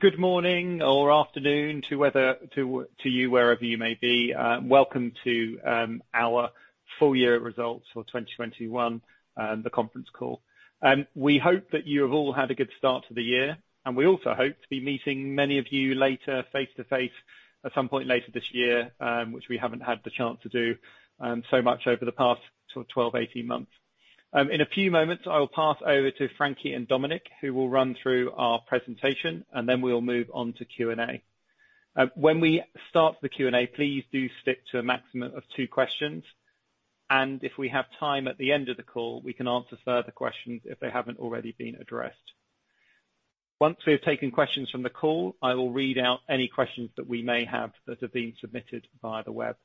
Good morning or afternoon wherever you may be. Welcome to our full year results for 2021, and the conference call. We hope that you have all had a good start to the year, and we also hope to be meeting many of you later face-to-face at some point later this year, which we haven't had the chance to do so much over the past 12-18 months. In a few moments, I will pass over to Frankie and Dominik, who will run through our presentation, and then we will move on to Q&A. When we start the Q&A, please do stick to a maximum of two questions, and if we have time at the end of the call, we can answer further questions if they haven't already been addressed. Once we have taken questions from the call, I will read out any questions that we may have that have been submitted via the web.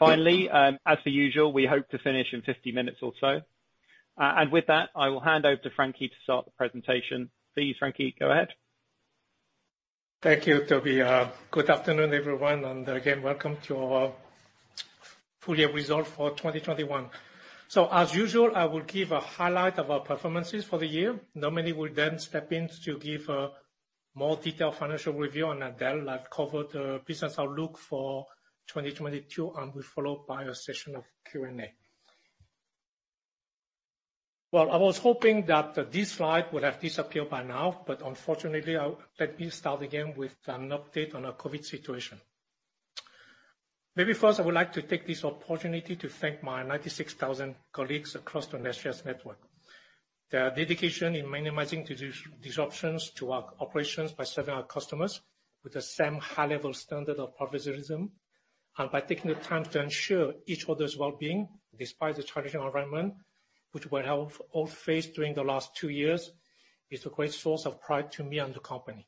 Finally, as per usual, we hope to finish in 50 minutes or so. With that, I will hand over to Frankie to start the presentation. Please, Frankie, go ahead. Thank you, Toby. Good afternoon, everyone, and again, welcome to our full year results for 2021. As usual, I will give a highlight of our performances for the year. Dominik will then step in to give a more detailed financial review, and Adel will cover the business outlook for 2022, and we will follow up by a session of Q&A. Well, I was hoping that this slide would have disappeared by now, but unfortunately, let me start again with an update on our COVID situation. Maybe first, I would like to take this opportunity to thank my 96,000 colleagues across the SGS's network. Their dedication in minimizing disruptions to our operations by serving our customers with the same high-level standard of professionalism, and by taking the time to ensure each other's well-being despite the challenging environment, which we have all faced during the last two years. It's a great source of pride to me and the company.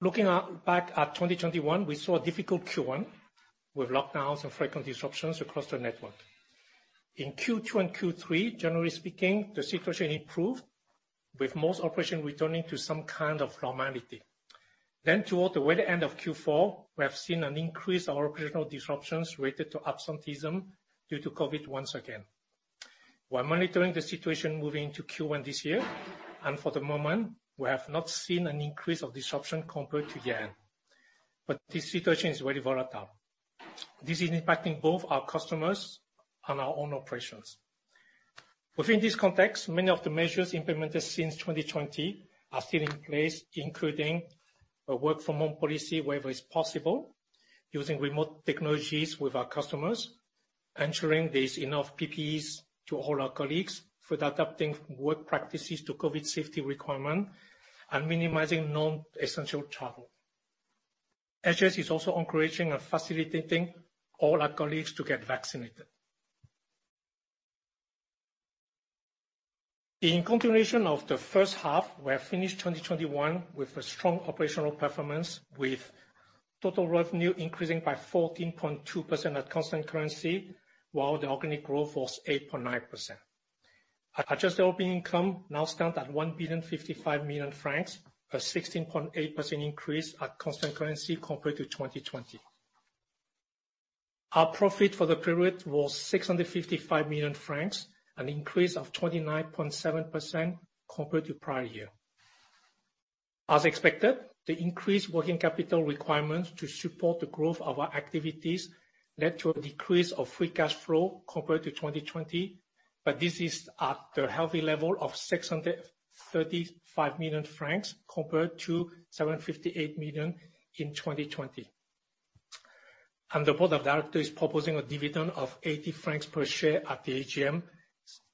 Looking back at 2021, we saw a difficult Q1 with lockdowns and frequent disruptions across the network. In Q2 and Q3, generally speaking, the situation improved, with most operations returning to some normality. Then toward the very end of Q4, we have seen an increase of operational disruptions related to absenteeism due to Covid once again. We're monitoring the situation moving to Q1 this year, and for the moment, we have not seen an increase of disruption compared to the end. This situation is very volatile. This is impacting both our customers and our own operations. Within this context, many of the measures implemented since 2020 are still in place, including a work from home policy wherever is possible, using remote technologies with our customers, ensuring there is enough PPEs to all our colleagues for adapting work practices to COVID safety requirement, and minimizing non-essential travel. SGS is also encouraging and facilitating all our colleagues to get vaccinated. In continuation of the H1, we have finished 2021 with a strong operational performance, with total revenue increasing by 14.2% at constant currency, while the organic growth was 8.9%. Adjusted operating income now stands at 1,055 million francs, a 16.8% increase at constant currency compared to 2020. Our profit for the period was 655 million francs, an increase of 29.7% compared to prior year. As expected, the increased working capital requirements to support the growth of our activities led to a decrease of free cash flow compared to 2020, but this is at the healthy level of 635 million francs compared to 758 million in 2020. The board of directors is proposing a dividend of 80 francs per share at the AGM,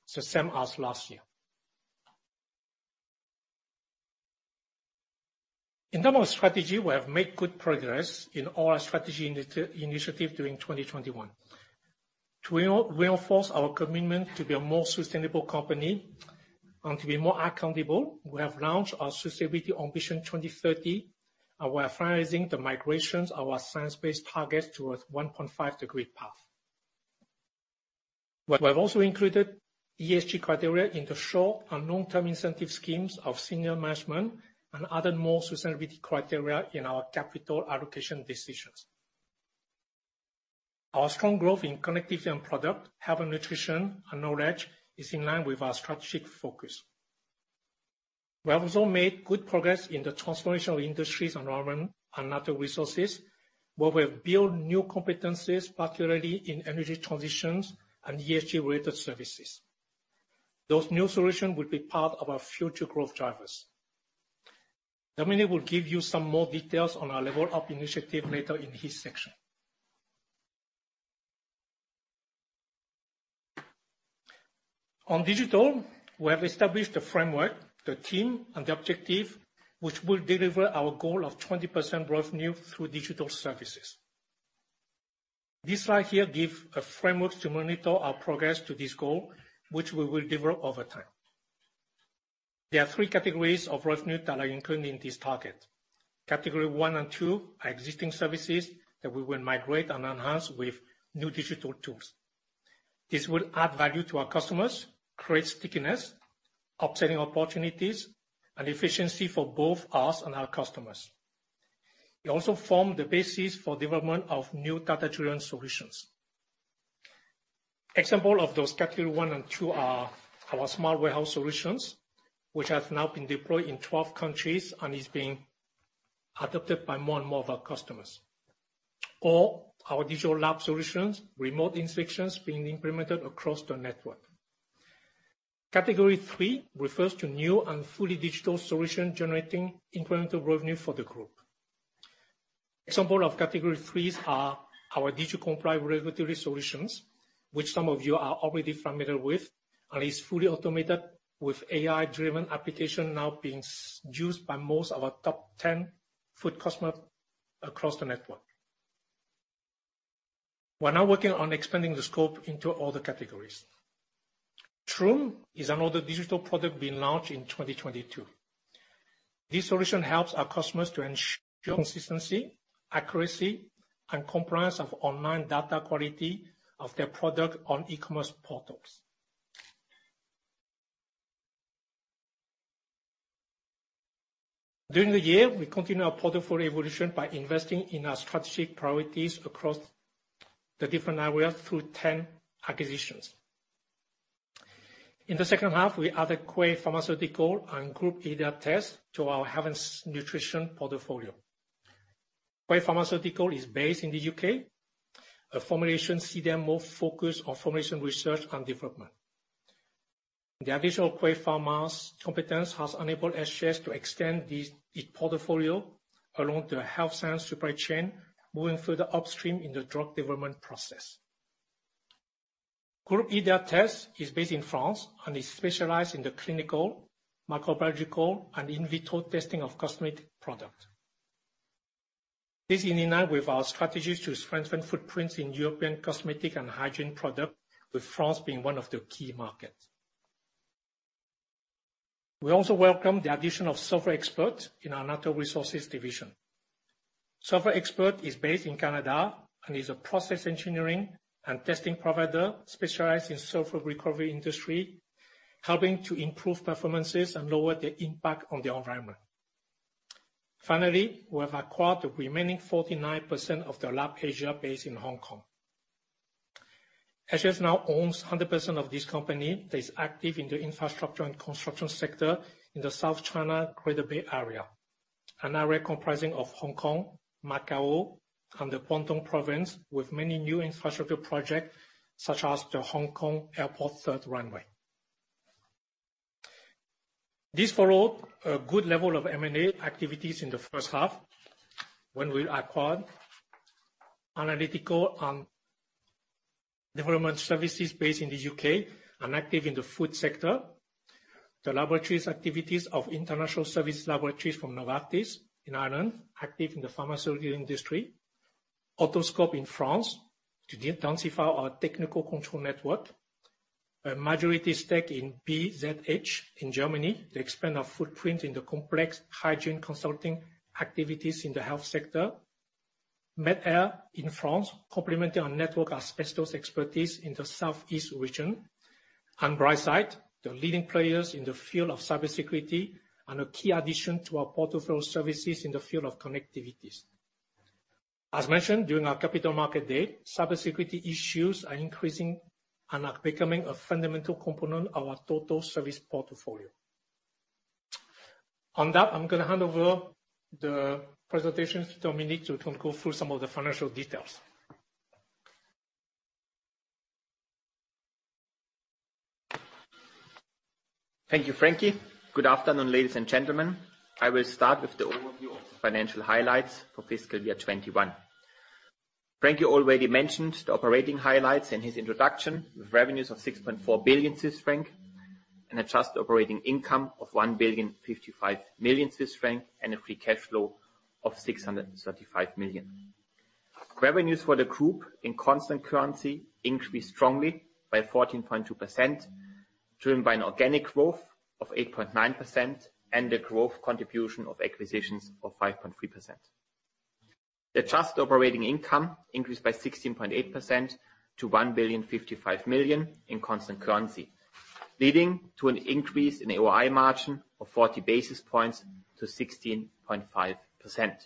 so same as last year. In terms of strategy, we have made good progress in all our strategy initiative during 2021. To reinforce our commitment to be a more sustainable company and to be more accountable, we have launched our Sustainability Ambition 2030, and we're finalizing the migrations of our science-based targets towards 1.5-degree path. We have also included ESG criteria in the short- and long-term incentive schemes of senior management and other more sustainability criteria in our capital allocation decisions. Our strong growth in Connectivity & Products, Health & Nutrition, and Knowledge is in line with our strategic focus. We have also made good progress in the transformation of Industries & Environment and Natural Resources. We will build new competencies, particularly in energy transitions and ESG-related services. Those new solutions will be part of our future growth drivers. Dominik will give you some more details on our Level Up initiative later in his section. On digital, we have established the framework, the team, and the objective, which will deliver our goal of 20% revenue through digital services. This slide here gives a framework to monitor our progress to this goal, which we will develop over time. There are three categories of revenue that are included in this target. Category one and two are existing services that we will migrate and enhance with new digital tools. This will add value to our customers, create stickiness, upselling opportunities, and efficiency for both us and our customers. It also form the basis for development of new data-driven solutions. Example of those category one and two are our smart warehouse solutions, which have now been deployed in 12 countries and is being adopted by more and more of our customers. Or our Digital Lab solutions, remote inspections being implemented across the network. Category three refers to new and fully digital solution generating incremental revenue for the group. Examples of category threes are our Digicomply regulatory solutions, which some of you are already familiar with, and is fully automated with AI-driven application now being used by most of our top 10 food customers across the network. We're now working on expanding the scope into all the categories. True is another digital product being launched in 2022. This solution helps our customers to ensure consistency, accuracy, and compliance of online data quality of their product on e-commerce portals. During the year, we continue our portfolio evolution by investing in our strategic priorities across the different areas through 10 acquisitions. In the H2, we added Quay Pharmaceuticals and Groupe IDEA TESTS to our Health and Nutrition portfolio. Quay Pharmaceuticals is based in the U.K., a formulation CDMO focus on formulation research and development. The addition of Quay Pharma's competence has enabled SGS to extend this, its portfolio along the health science supply chain, moving further upstream in the drug development process. Groupe IDEA TESTS is based in France and is specialized in the clinical, microbiological, and in vitro testing of cosmetic product. This is in line with our strategies to strengthen footprints in European cosmetic and hygiene product, with France being one of the key markets. We also welcome the addition of Sulphur Experts in our Natural Resources Division. Sulphur Experts is based in Canada and is a process engineering and testing provider specialized in sulfur recovery industry, helping to improve performances and lower the impact on the environment. Finally, we have acquired the remaining 49% of The Lab (Asia) based in Hong Kong. SGS now owns 100% of this company that is active in the infrastructure and construction sector in the South China Greater Bay Area, an area comprising Hong Kong, Macau, and the Guangdong Province, with many new infrastructure projects, such as the Hong Kong Airport third runway. This followed a good level of M&A activities in the H1 when we acquired Analytical & Development Services based in the U.K. and active in the food sector, the laboratory activities of International Service Laboratory from Novartis in Ireland, active in the pharmaceutical industry, Autoscope in France to intensify our technical control network, a majority stake in BZH in Germany to expand our footprint in the complex hygiene consulting activities in the health sector. Medair in France, complementing our network asbestos expertise in the South East region, and Brightsight, the leading players in the field of cybersecurity and a key addition to our portfolio of services in the field of connectivity. As mentioned during our capital markets day, cybersecurity issues are increasing and are becoming a fundamental component of our total service portfolio. On that, I'm going to hand over the presentation to Dominik to go through some of the financial details. Thank you, Frankie. Good afternoon, ladies and gentlemen. I will start with the overview of the financial highlights for fiscal year 2021. Frankie already mentioned the operating highlights in his introduction, with revenues of 6.4 billion Swiss franc and adjusted operating income of 1.055 billion, and a free cash flow of 635 million. Revenues for the group in constant currency increased strongly by 14.2%, driven by an organic growth of 8.9% and the growth contribution of acquisitions of 5.3%. Adjusted operating income increased by 16.8% to 1.055 billion in constant currency, leading to an increase in AOI margin of 40 basis points to 16.5%.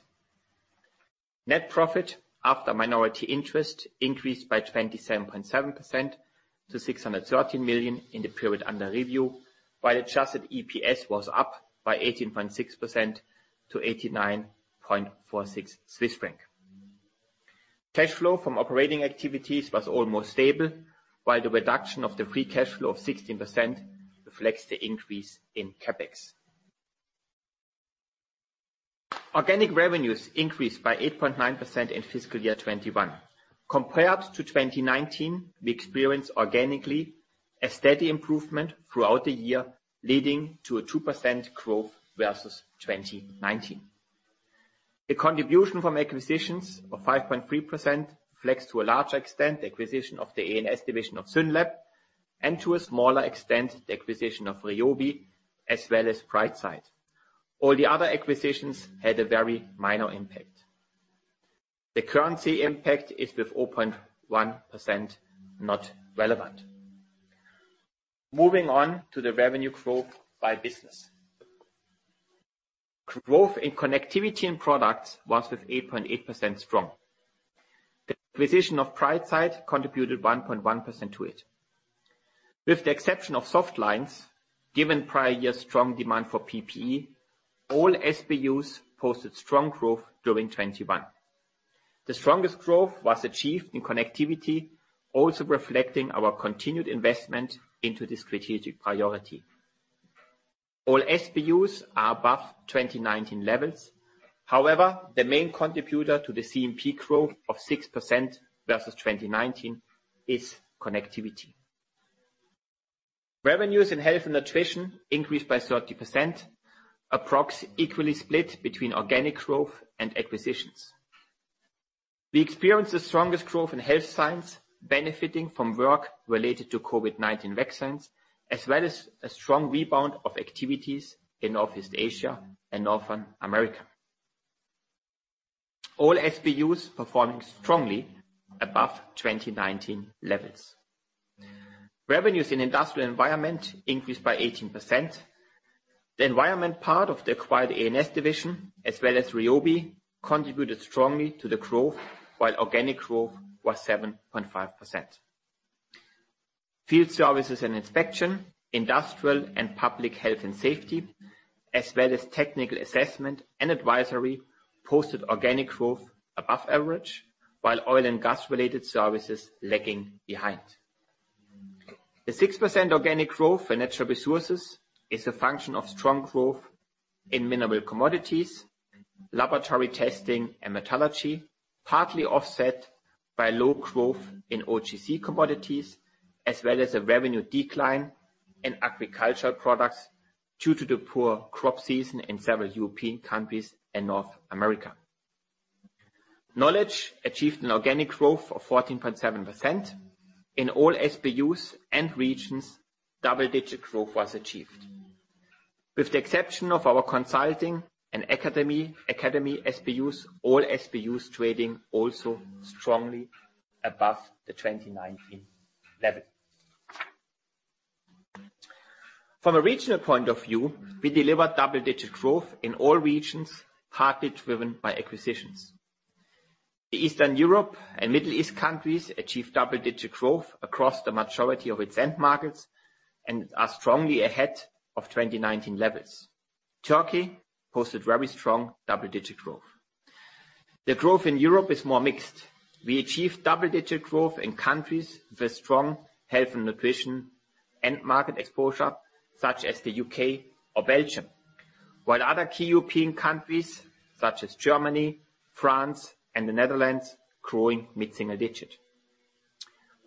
Net profit after minority interest increased by 27.7% to 613 million in the period under review. Adjusted EPS was up by 18.6% to 89.46 Swiss franc. Cash flow from operating activities was almost stable, while the reduction of the free cash flow of 16% reflects the increase in CapEx. Organic revenues increased by 8.9% in fiscal year 2021. Compared to 2019, we experienced organically a steady improvement throughout the year, leading to a 2% growth versus 2019. The contribution from acquisitions of 5.3% reflects to a large extent the acquisition of the A&S division of Synlab, and to a smaller extent, the acquisition of Ryobi as well as Brightsight. All the other acquisitions had a very minor impact. The currency impact is with 0.1% not relevant. Moving on to the revenue growth by business. Growth in Connectivity & Products was with 8.8% strong. The acquisition of Brightsight contributed 1.1% to it. With the exception of soft lines, given prior year strong demand for PPE, all SBUs posted strong growth during 2021. The strongest growth was achieved in connectivity, also reflecting our continued investment into this strategic priority. All SBUs are above 2019 levels. However, the main contributor to the C&P growth of 6% versus 2019 is connectivity. Revenues in Health & Nutrition increased by 30%, approximately equally split between organic growth and acquisitions. We experienced the strongest growth in health science, benefiting from work related to COVID-19 vaccines, as well as a strong rebound of activities in Northeast Asia and North America. All SBUs performing strongly above 2019 levels. Revenues in Industries & Environment increased by 18%. The environment part of the acquired A&S division, as well as Ryobi, contributed strongly to the growth, while organic growth was 7.5%. Field services and inspection, industrial and public health and safety, as well as technical assessment and advisory, posted organic growth above average, while oil and gas-related services lagging behind. The 6% organic growth for Natural Resources is a function of strong growth in mineral commodities, laboratory testing and metallurgy, partly offset by low growth in OGC commodities, as well as a revenue decline in agricultural products due to the poor crop season in several European countries and North America. Knowledge achieved an organic growth of 14.7%. In all SBUs and regions, double-digit growth was achieved. With the exception of our consulting and academy SBUs, all SBUs trading also strongly above the 2019 level. From a regional point of view, we delivered double-digit growth in all regions, partly driven by acquisitions. The Eastern Europe and Middle East countries achieved double-digit growth across the majority of its end markets and are strongly ahead of 2019 levels. Turkey posted very strong double-digit growth. The growth in Europe is more mixed. We achieved double-digit growth in countries with strong health and nutrition end market exposure, such as the U.K. or Belgium, while other key European countries such as Germany, France, and the Netherlands growing mid-single digit.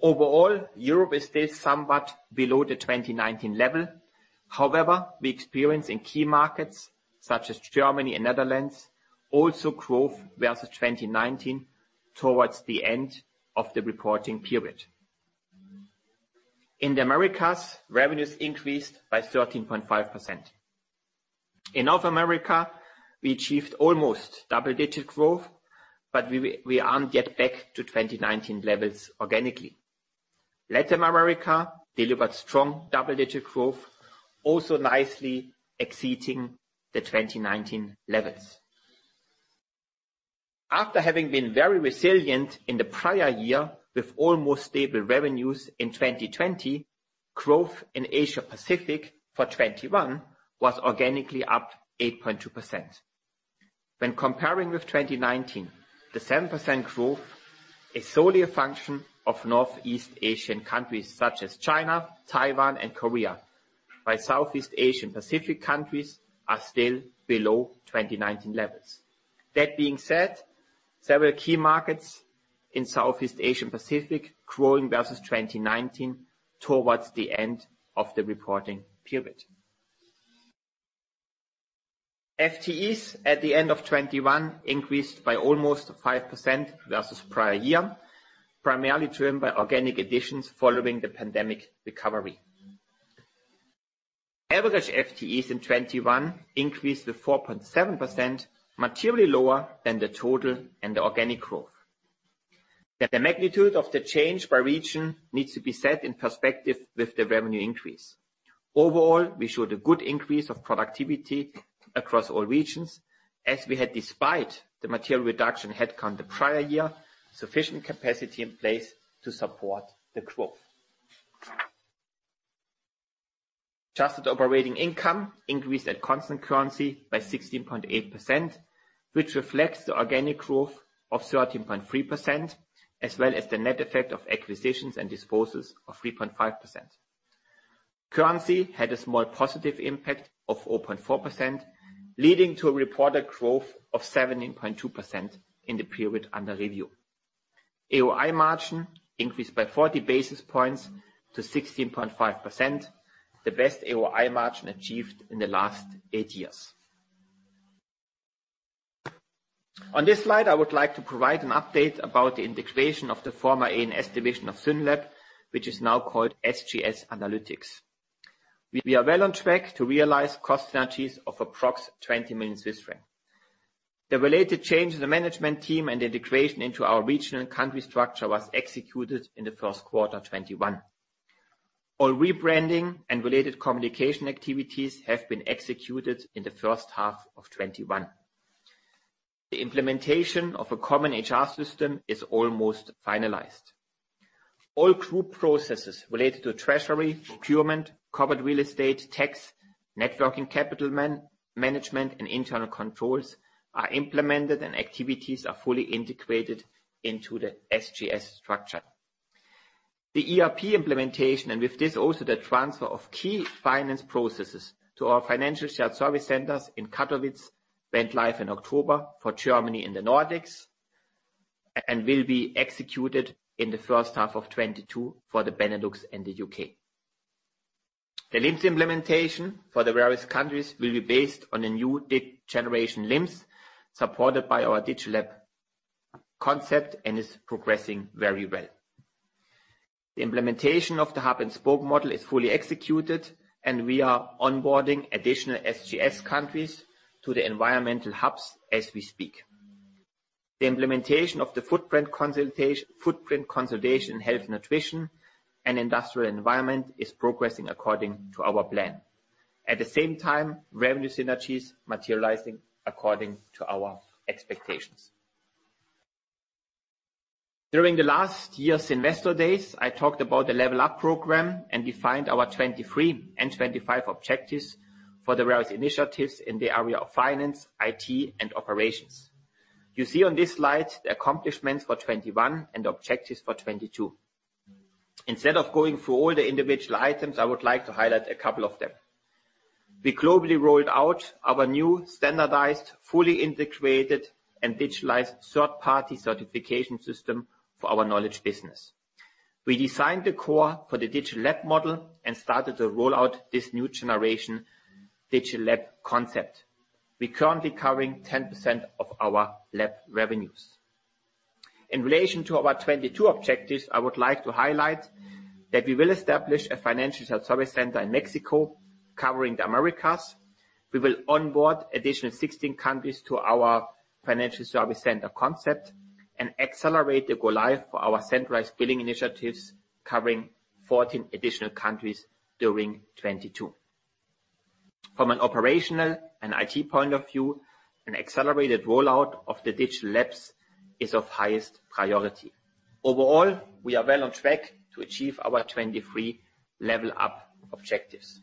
Overall, Europe is still somewhat below the 2019 level. However, we experience in key markets such as Germany and Netherlands also growth versus 2019 towards the end of the reporting period. In the Americas, revenues increased by 13.5%. In North America, we achieved almost double-digit growth, but we aren't yet back to 2019 levels organically. Latin America delivered strong double-digit growth, also nicely exceeding the 2019 levels. After having been very resilient in the prior year with almost stable revenues in 2020, growth in Asia Pacific for 2021 was organically up 8.2%. When comparing with 2019, the 7% growth is solely a function of Northeast Asian countries such as China, Taiwan, and Korea, while Southeast Asian Pacific countries are still below 2019 levels. That being said, several key markets in Southeast Asian Pacific growing versus 2019 towards the end of the reporting period. FTEs at the end of 2021 increased by almost 5% versus prior year, primarily driven by organic additions following the pandemic recovery. Average FTEs in 2021 increased to 4.7%, materially lower than the total and the organic growth. That the magnitude of the change by region needs to be set in perspective with the revenue increase. Overall, we showed a good increase of productivity across all regions as we had, despite the material reduction in headcount the prior year, sufficient capacity in place to support the growth. Adjusted operating income increased at constant currency by 16.8%, which reflects the organic growth of 13.3%, as well as the net effect of acquisitions and disposals of 3.5%. Currency had a small positive impact of 4.4%, leading to a reported growth of 17.2% in the period under review. AOI margin increased by 40 basis points to 16.5%, the best AOI margin achieved in the last 8 years. On this slide, I would like to provide an update about the integration of the former A&S division of Synlab, which is now called SGS Analytics. We are well on track to realize cost synergies of approx 20 million Swiss francs. The related change in the management team and integration into our regional and country structure was executed in the Q1 2021. All rebranding and related communication activities have been executed in the H1 of 2021. The implementation of a common HR system is almost finalized. All group processes related to treasury, procurement, covered real estate, tax, net working capital management, and internal controls are implemented and activities are fully integrated into the SGS structure. The ERP implementation, and with this also the transfer of key finance processes to our financial shared service centers in Katowice went live in October for Germany and the Nordics, and will be executed in the H1 of 2022 for the Benelux and the UK. The LIMS implementation for the various countries will be based on a new generation LIMS, supported by our Digital Lab concept and is progressing very well. The implementation of the hub and spoke model is fully executed and we are onboarding additional SGS countries to the environmental hubs as we speak. The implementation of the footprint consolidation Health & Nutrition and Industries & Environment is progressing according to our plan. At the same time, revenue synergies materializing according to our expectations. During the last year's Investor Days, I talked about the Level Up program and defined our 2023 and 2025 objectives for the various initiatives in the area of finance, IT, and operations. You see on this slide the accomplishments for 2021 and objectives for 2022. Instead of going through all the individual items, I would like to highlight a couple of them. We globally rolled out our new standardized, fully integrated and digitalized third-party certification system for our Knowledge business. We designed the core for the Digital Lab model and started to roll out this new generation Digital Lab concept. We're currently covering 10% of our lab revenues. In relation to our 2022 objectives, I would like to highlight that we will establish a financial shared service center in Mexico covering the Americas. We will onboard additional 16 countries to our financial service center concept and accelerate the go live for our centralized billing initiatives, covering 14 additional countries during 2022. From an operational and IT point of view, an accelerated rollout of the Digital Labs is of highest priority. Overall, we are well on track to achieve our 2023 Level Up objectives.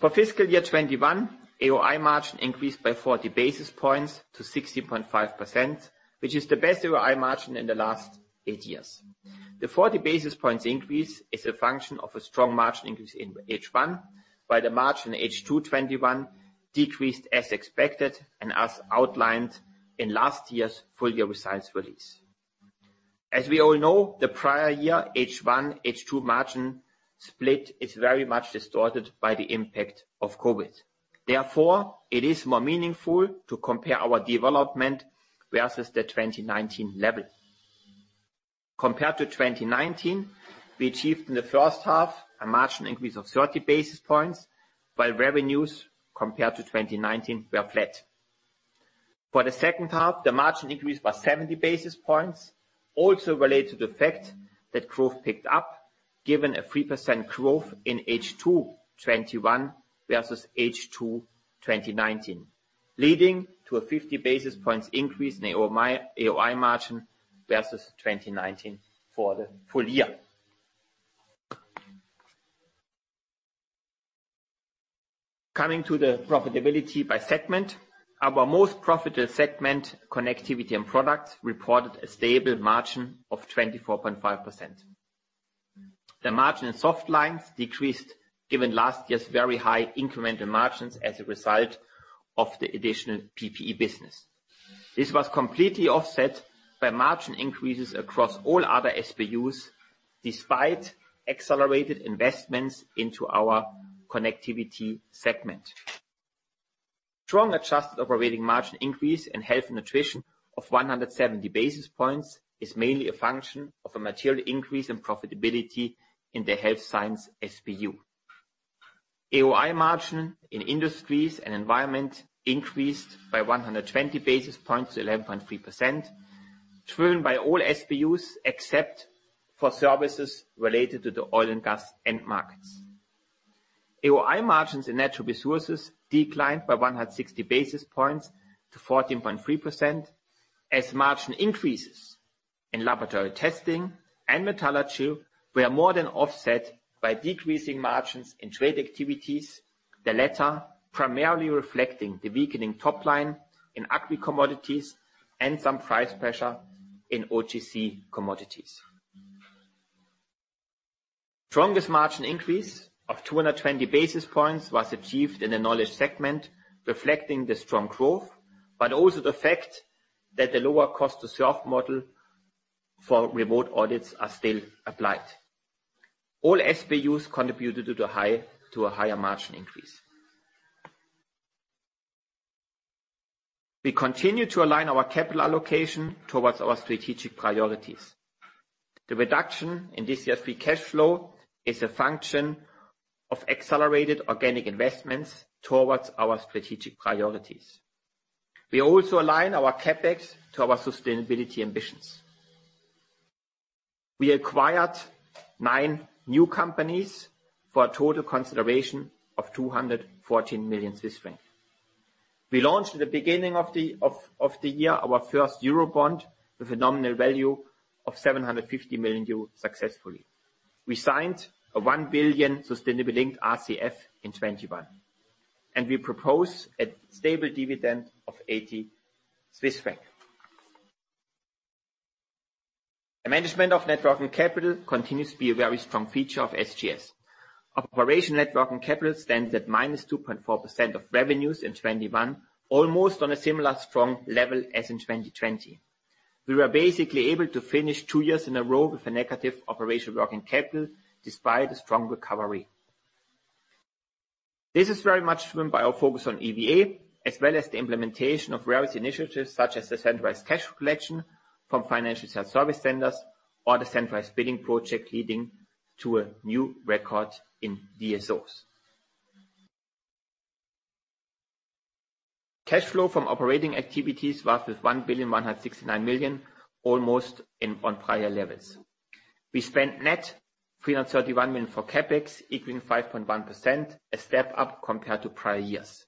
For fiscal year 2021, AOI margin increased by 40 basis points to 60.5%, which is the best AOI margin in the last 8 years. The 40 basis points increase is a function of a strong margin increase in H1, while the margin H2 2021 decreased as expected and as outlined in last year's full year results release. As we all know, the prior year H1, H2 margin split is very much distorted by the impact of COVID. Therefore, it is more meaningful to compare our development versus the 2019 level. Compared to 2019, we achieved in the H1 a margin increase of 30 basis points, while revenues compared to 2019 were flat. For the H2, the margin increase was 70 basis points, also related to the fact that growth picked up given a 3% growth in H2 2021 versus H2 2019, leading to a 50 basis points increase in AOI margin versus 2019 for the full year. Coming to the profitability by segment. Our most profitable segment, Connectivity and Products, reported a stable margin of 24.5%. The margin in Softlines decreased given last year's very high incremental margins as a result of the additional PPE business. This was completely offset by margin increases across all other SBUs, despite accelerated investments into our Connectivity segment. Strong adjusted operating margin increase in Health & Nutrition of 170 basis points is mainly a function of a material increase in profitability in the Health Science SBU. AOI margin in Industries & Environment increased by 120 basis points to 11.3%, driven by all SBUs except for services related to the oil and gas end markets. AOI margins in Natural Resources declined by 160 basis points to 14.3% as margin increases in laboratory testing and metallurgy were more than offset by decreasing margins in trade activities, the latter primarily reflecting the weakening top line in agri-commodities and some price pressure in OGC commodities. Strongest margin increase of 220 basis points was achieved in the Knowledge segment, reflecting the strong growth, but also the fact that the lower cost to serve model for remote audits are still applied. All SBUs contributed to a higher margin increase. We continue to align our capital allocation towards our strategic priorities. The reduction in this year's free cash flow is a function of accelerated organic investments towards our strategic priorities. We also align our CapEx to our sustainability ambitions. We acquired 9 new companies for a total consideration of 214 million Swiss francs. We launched the beginning of the year our first euro bond with a nominal value of 750 million euro successfully. We signed a 1 billion sustainability-linked RCF in 2021, and we propose a stable dividend of 80 Swiss francs. The management of net working capital continues to be a very strong feature of SGS. Operational net working capital stands at -2.4% of revenues in 2021, almost on a similar strong level as in 2020. We were basically able to finish two years in a row with a negative operational working capital despite a strong recovery. This is very much driven by our focus on EVA, as well as the implementation of various initiatives such as the centralized cash collection from financial sales service centers or the centralized billing project leading to a new record in DSOs. Cash flow from operating activities was 1,169 million, almost in line with prior levels. We spent net 331 million for CapEx, equaling 5.1%, a step up compared to prior years.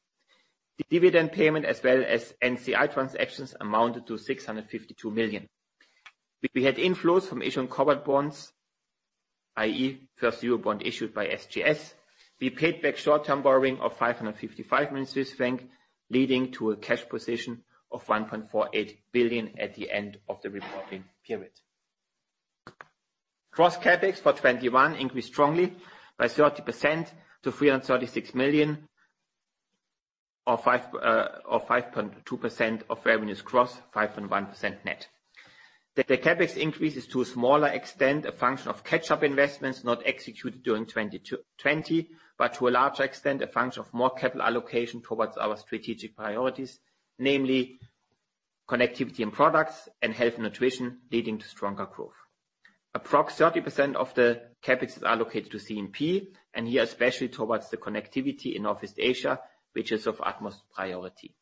The dividend payment as well as NCI transactions amounted to 652 million. We had inflows from Asian covered bonds, i.e., first euro bond issued by SGS. We paid back short-term borrowing of 555 million Swiss franc, leading to a cash position of 1.48 billion at the end of the reporting period. Gross CapEx for 2021 increased strongly by 30% to 336 million or 5.2% of revenues gross, 5.1% net. The CapEx increase is to a smaller extent, a function of catch-up investments not executed during 2020, but to a larger extent, a function of more capital allocation towards our strategic priorities, namely Connectivity & Products and Health & Nutrition, leading to stronger growth. Approximately 30% of the CapEx is allocated to C&P, and here especially towards the connectivity in Northeast Asia, which is of utmost priority.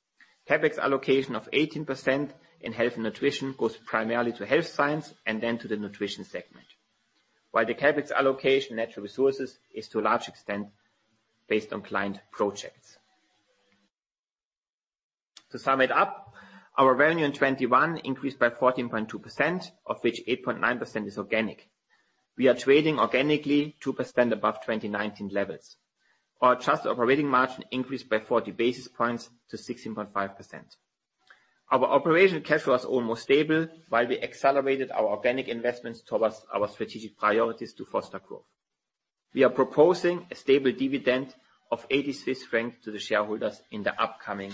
CapEx allocation of 18% in Health and Nutrition goes primarily to health science and then to the nutrition segment. CapEx allocation to Natural Resources is to a large extent based on client projects. To sum it up, our revenue in 2021 increased by 14.2%, of which 8.9% is organic. We are trading organically 2% above 2019 levels. Our adjusted operating margin increased by 40 basis points to 16.5%. Our operational cash flow is almost stable while we accelerated our organic investments towards our strategic priorities to foster growth. We are proposing a stable dividend of 80 francs to the shareholders in the upcoming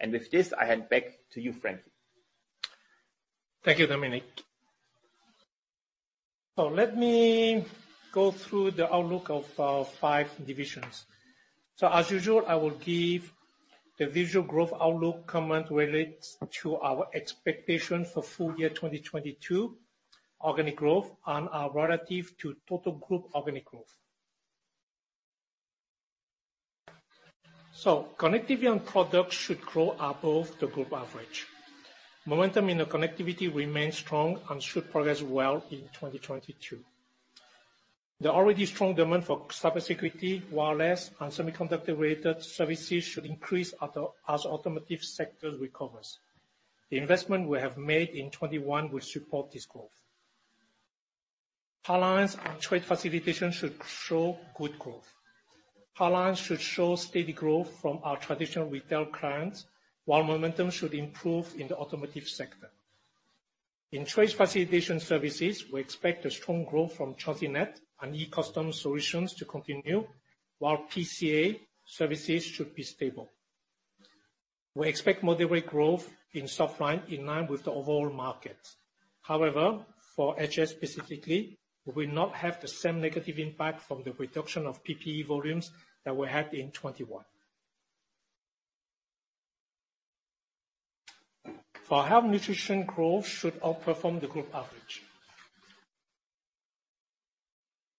AGM. With this, I hand back to you, Frankie. Thank you, Dominik. Let me go through the outlook of our five divisions. As usual, I will give the usual growth outlook comment relates to our expectations for full year 2022 organic growth and are relative to total group organic growth. Connectivity & Products should grow above the group average. Momentum in the connectivity remains strong and should progress well in 2022. The already strong demand for cybersecurity, wireless, and semiconductor-related services should increase as automotive sector recovers. The investment we have made in 2021 will support this growth. Softlines and trade facilitation should show good growth. Softlines should show steady growth from our traditional retail clients, while momentum should improve in the automotive sector. In trade facilitation services, we expect a strong growth from TransitNet and e-Customs solutions to continue, while PCA services should be stable. We expect moderate growth in softlines in line with the overall market. However, for HS specifically, we do not have the same negative impact from the reduction of PPE volumes that we had in 2021. For Health & Nutrition, growth should outperform the group average.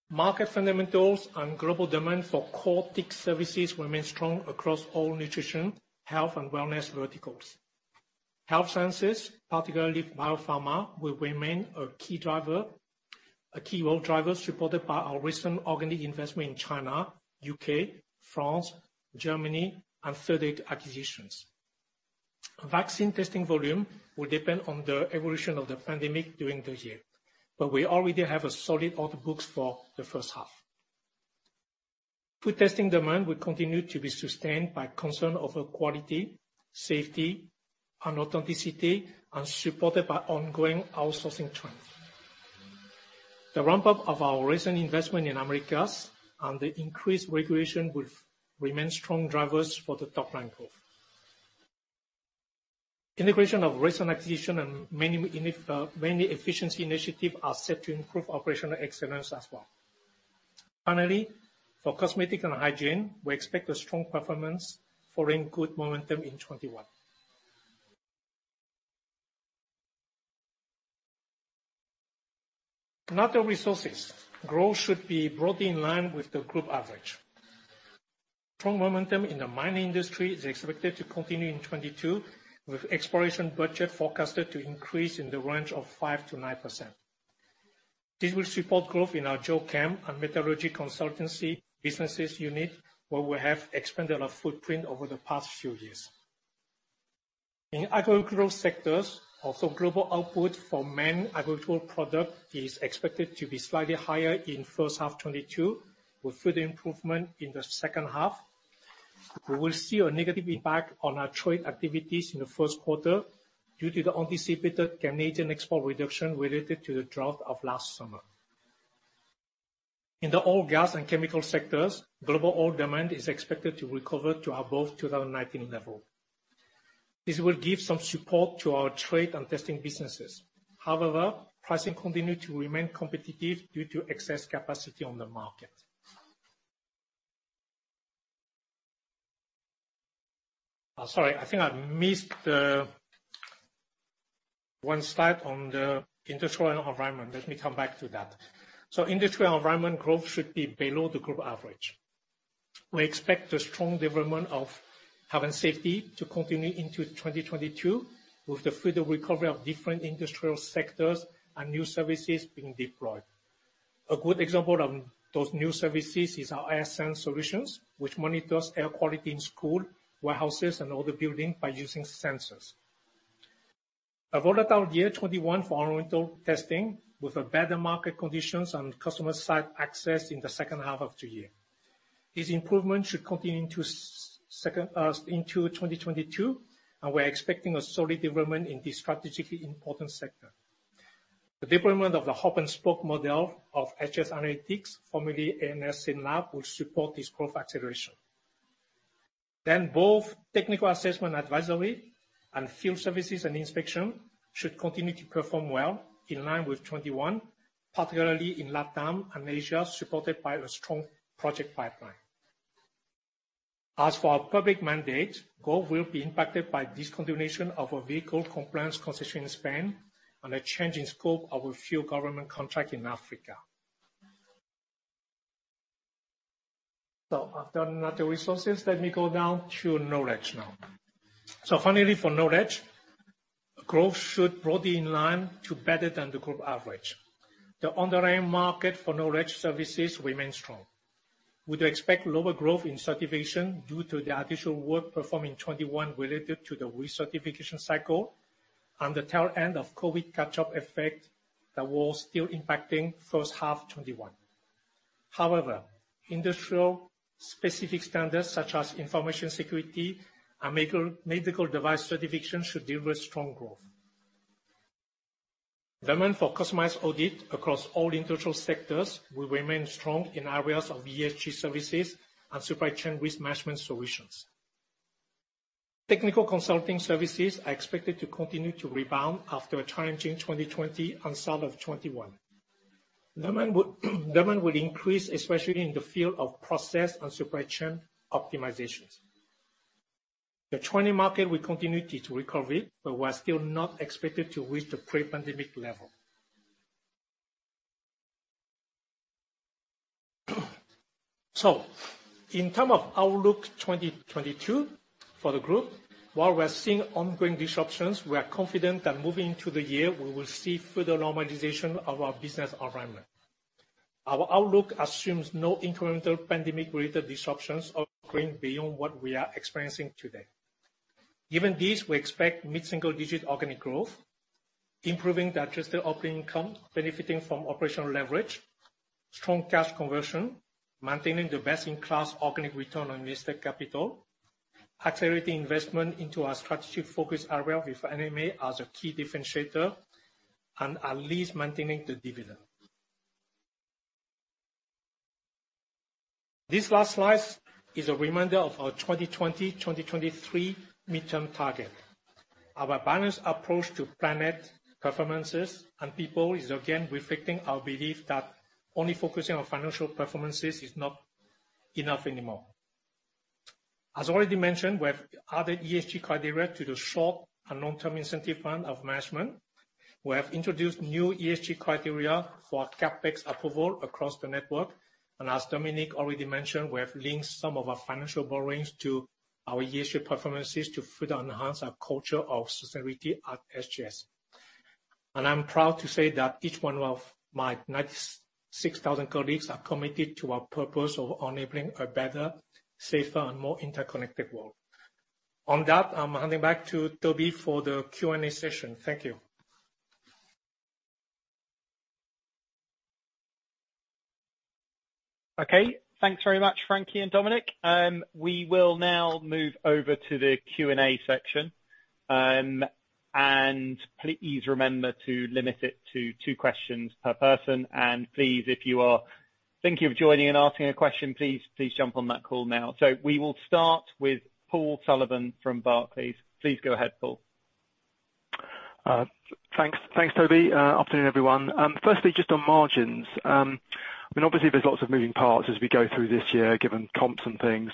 Market fundamentals and global demand for core tech services remain strong across all nutrition, health and wellness verticals. Health Sciences, particularly biopharma, will remain a key driver, a key growth driver supported by our recent organic investment in China, U.K., France, Germany, and third-party acquisitions. Vaccine testing volume will depend on the evolution of the pandemic during the year, but we already have a solid order book for the H1. Food testing demand will continue to be sustained by concern over quality, safety, and authenticity, and supported by ongoing outsourcing trends. The ramp-up of our recent investment in Americas and the increased regulation will remain strong drivers for the top-line growth. Integration of recent acquisition and many efficiency initiatives are set to improve operational excellence as well. Finally, for cosmetics and hygiene, we expect a strong performance following good momentum in 2021. Natural Resources. Growth should be broadly in line with the group average. Strong momentum in the mining industry is expected to continue in 2022 with exploration budget forecasted to increase in the range of 5%-9%. This will support growth in our geochemistry and metallurgy consultancy business unit, where we have expanded our footprint over the past few years. In agricultural sectors, also global output for main agricultural product is expected to be slightly higher in H1 2022, with further improvement in the H2 2022. We will see a negative impact on our trade activities in the Q1 due to the anticipated Canadian export reduction related to the drought of last summer. In the oil, gas, and chemical sectors, global oil demand is expected to recover to above 2019 level. This will give some support to our trade and testing businesses. However, pricing continue to remain competitive due to excess capacity on the market. Oh, sorry. I think I missed the one slide on the industrial environment. Let me come back to that. Industries & Environment growth should be below the group average. We expect a strong development of health and safety to continue into 2022 with the further recovery of different industrial sectors and new services being deployed. A good example of those new services is our AirSense solutions, which monitors air quality in school, warehouses, and other building by using sensors. A volatile year 2021 for environmental testing, with better market conditions and customer site access in the H2 of the year. This improvement should continue into second, into 2022, and we're expecting a solid development in this strategically important sector. The deployment of the hub and spoke model of SGS Analytics, formerly Synlab, will support this growth acceleration. Both technical assessment advisory and field services and inspection should continue to perform well in line with 2021, particularly in LatAm and Asia, supported by a strong project pipeline. As for our public mandate, growth will be impacted by discontinuation of a vehicle compliance concession in Spain and a change in scope of a few government contract in Africa. After Natural Resources, let me go down to Knowledge now. Finally, for Knowledge, growth should be broadly in line or better than the group average. The underlying market for Knowledge services remains strong. We do expect lower growth in certification due to the additional work performed in 2021 related to the recertification cycle and the tail end of COVID catch-up effect that was still impacting H1 2021. However, industrial specific standards such as information security and medical device certification should deliver strong growth. Demand for customized audit across all industrial sectors will remain strong in areas of ESG services and supply chain risk management solutions. Technical consulting services are expected to continue to rebound after a challenging 2020 and start of 2021. Demand will increase, especially in the field of process and supply chain optimizations. The training market will continue to recover, but we are still not expected to reach the pre-pandemic level. In terms of outlook 2022 for the group, while we are seeing ongoing disruptions, we are confident that moving into the year we will see further normalization of our business environment. Our outlook assumes no incremental pandemic-related disruptions occurring beyond what we are experiencing today. Given this, we expect mid-single-digit% organic growth, improving the adjusted operating income benefiting from operational leverage, strong cash conversion, maintaining the best-in-class organic return on invested capital, accelerating investment into our strategic focus area with M&A as a key differentiator, and at least maintaining the dividend. This last slide is a reminder of our 2020-2023 mid-term target. Our balanced approach to planet, performance and people is again reflecting our belief that only focusing on financial performance is not enough anymore. As already mentioned, we have added ESG criteria to the short and long-term incentive plan of management. We have introduced new ESG criteria for CapEx approval across the network. As Dominik already mentioned, we have linked some of our financial borrowings to our ESG performances to further enhance our culture of sustainability at SGS. I'm proud to say that each one of my 96,000 colleagues are committed to our purpose of enabling a better, safer, and more interconnected world. On that, I'm handing back to Toby for the Q&A session. Thank you. Okay. Thanks very much, Frankie and Dominik. We will now move over to the Q&A section. Please remember to limit it to two questions per person. Please, if you are thinking of joining and asking a question, please jump on that call now. We will start with Paul Sullivan from Barclays. Please go ahead, Paul. Thanks. Thanks, Toby. Afternoon, everyone. Firstly, just on margins. I mean, obviously there's lots of moving parts as we go through this year, given comps and things.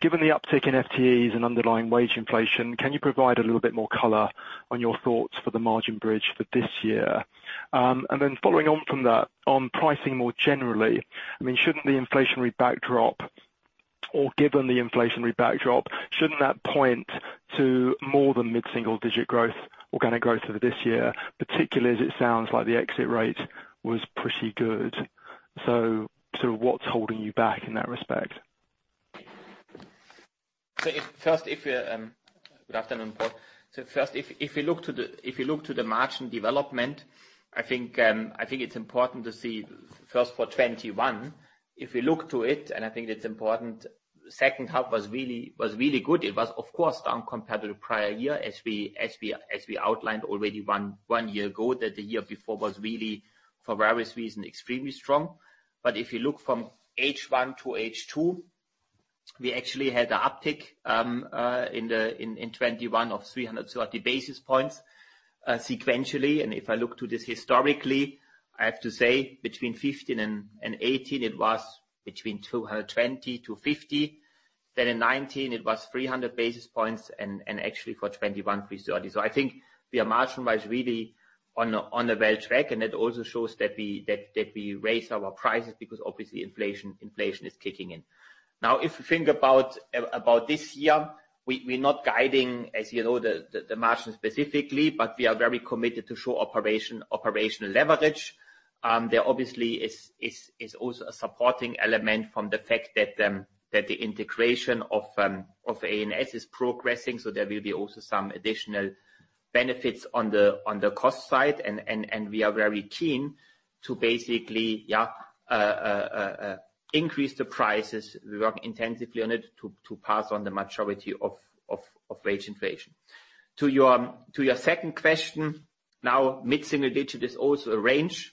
Given the uptick in FTEs and underlying wage inflation, can you provide a little bit more color on your thoughts for the margin bridge for this year? Following on from that, on pricing more generally, I mean, given the inflationary backdrop, shouldn't that point to more than mid-single-digit growth, organic growth for this year? Particularly as it sounds like the exit rate was pretty good. What's holding you back in that respect? Good afternoon, Paul. First, if we look to the margin development, I think it's important to see first for 2021. If we look to it, I think it's important, H2 was really good. It was of course down compared to the prior year as we outlined already one year ago, that the year before was really, for various reasons, extremely strong. If you look from H1 to H2, we actually had an uptick in 2021 of 300 basis points sequentially. If I look to this historically, I have to say between 2015 and 2018 it was between 220-50. In 2019 it was 300 basis points and actually for 2021, 330. I think we are margin aligned really on a good track and it also shows that we raise our prices because obviously inflation is kicking in. Now, if you think about this year, we're not guiding, as you know, the margin specifically, but we are very committed to show operational leverage. There obviously is also a supporting element from the fact that the integration of A&S is progressing. There will be also some additional benefits on the cost side and we are very keen to basically increase the prices. We work intensively on it to pass on the majority of wage inflation. To your second question, now mid-single-digit is also a range.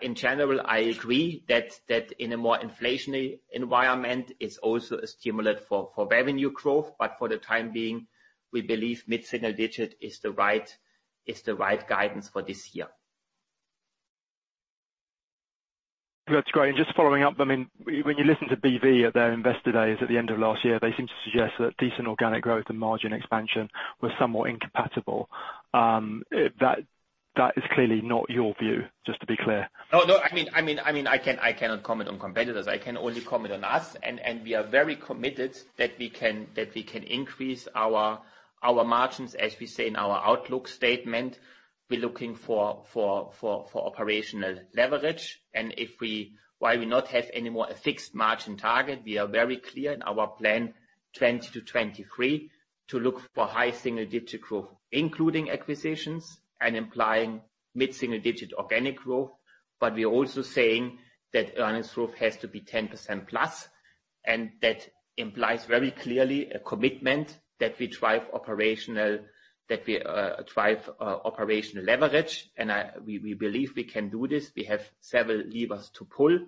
In general, I agree that in a more inflationary environment, it's also a stimulant for revenue growth. For the time being, we believe mid-single-digit is the right guidance for this year. That's great. Just following up, I mean, when you listen to BV at their investor days at the end of last year, they seemed to suggest that decent organic growth and margin expansion were somewhat incompatible. That is clearly not your view, just to be clear. No, I mean, I cannot comment on competitors. I can only comment on us. We are very committed that we can increase our margins, as we say in our outlook statement. We're looking for operational leverage. While we do not have anymore a fixed margin target, we are very clear in our plan 2020 to 2023 to look for high single-digit growth, including acquisitions and implying mid-single-digit organic growth. We're also saying that earnings growth has to be 10%+, and that implies very clearly a commitment that we drive operational leverage. We believe we can do this. We have several levers to pull.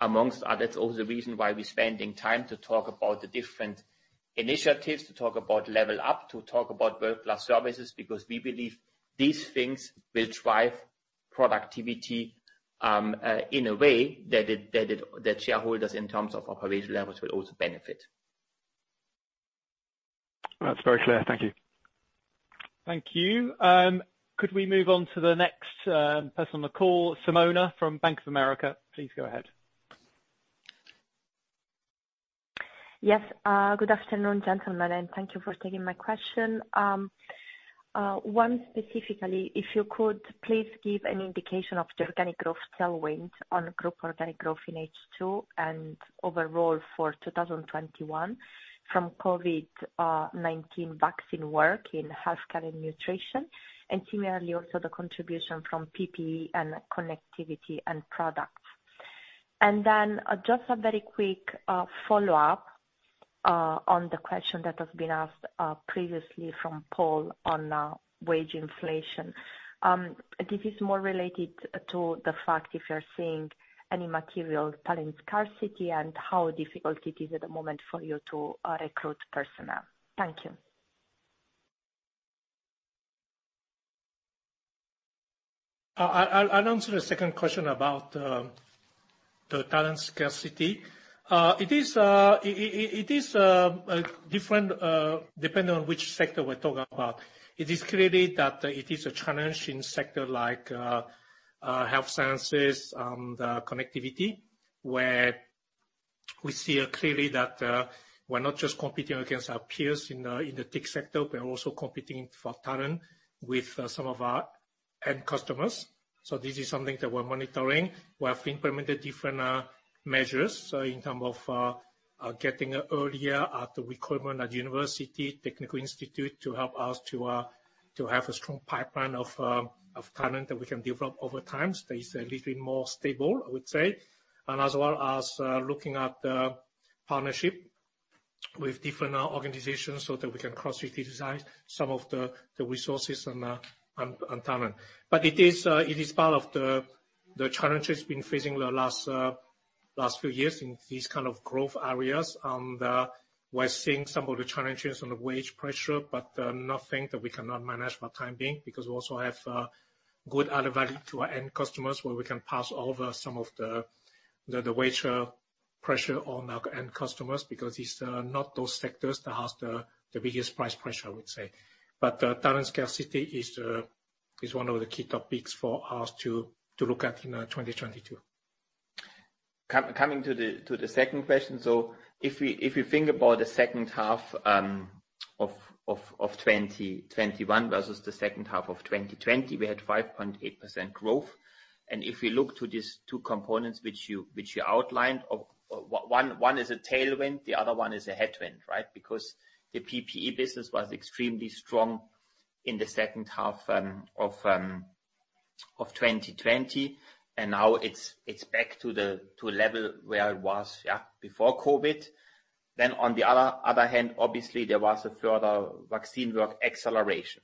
Among others, also the reason why we're spending time to talk about the different initiatives, to talk about Level Up, to talk about world-class services, because we believe these things will drive productivity in a way that shareholders in terms of operational levels will also benefit. That's very clear. Thank you. Thank you. Could we move on to the next person on the call? Simona from Bank of America. Please go ahead. Yes. Good afternoon, gentlemen, and thank you for taking my question. One specifically, if you could please give an indication of the organic growth tailwind on group organic growth in H2 and overall for 2021 from COVID-19 vaccine work in Health & Nutrition. Similarly also the contribution from PPE and Connectivity & Products. Then just a very quick follow-up on the question that has been asked previously from Paul on wage inflation. This is more related to the fact if you're seeing any material talent scarcity and how difficult it is at the moment for you to recruit personnel. Thank you. I'll answer the second question about the talent scarcity. It is different depending on which sector we're talking about. It is clearly that it is a challenge in sector like health sciences, the connectivity, where we see clearly that we're not just competing against our peers in the tech sector, we're also competing for talent with some of our end customers. This is something that we're monitoring. We have implemented different measures in terms of getting earlier the recruitment at university, technical institute to help us to have a strong pipeline of talent that we can develop over time. Stay a little bit more stable, I would say. As well as looking at partnership with different organizations so that we can cross-utilize some of the resources on talent. It is part of the challenges been facing the last Last few years in these growth areas, we're seeing some of the challenges on the wage pressure, but nothing that we cannot manage for time being because we also have good added value to our end customers, where we can pass over some of the wage pressure on our end customers because it's not those sectors that has the biggest price pressure, I would say. Talent scarcity is one of the key topics for us to look at in 2022. Coming to the second question. If we think about the H2 of 2021 versus the H2 of 2020, we had 5.8% growth. If we look to these two components which you outlined, one is a tailwind, the other one is a headwind, right? Because the PPE business was extremely strong in the H2 of 2020, and now it's back to a level where it was before COVID. On the other hand, obviously there was a further vaccine work acceleration.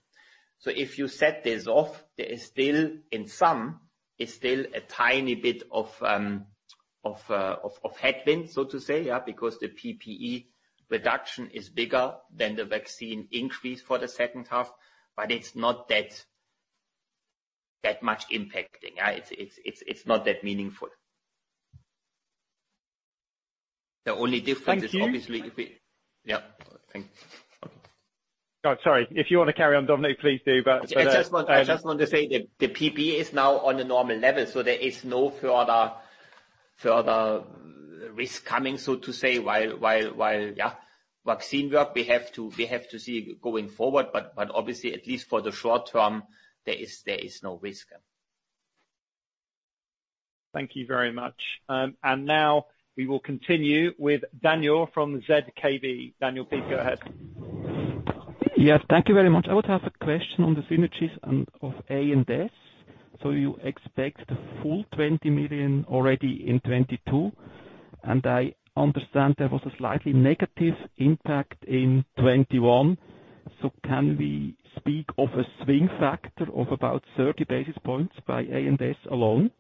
If you set this off, there is still, in sum, a tiny bit of headwind, so to say, because the PPE reduction is bigger than the vaccine increase for the H2. It's not that much impacting, yeah. It's not that meaningful. The only difference is obviously. Thank you. Yeah. Thanks. Oh, sorry. If you want to carry on, Dominik, please do. I just want to say that the PPE is now on a normal level, so there is no further risk coming, so to say, while vaccine work. We have to see going forward, but obviously, at least for the short term, there is no risk. Thank you very much. Now we will continue with Daniel from ZKB. Daniel, please go ahead. Yes, thank you very much. I would have a question on the synergies and of A&S. You expect the full 20 million already in 2022, and I understand there was a slightly negative impact in 2021, so can we speak of a swing factor of about 30 basis points by A&S alone?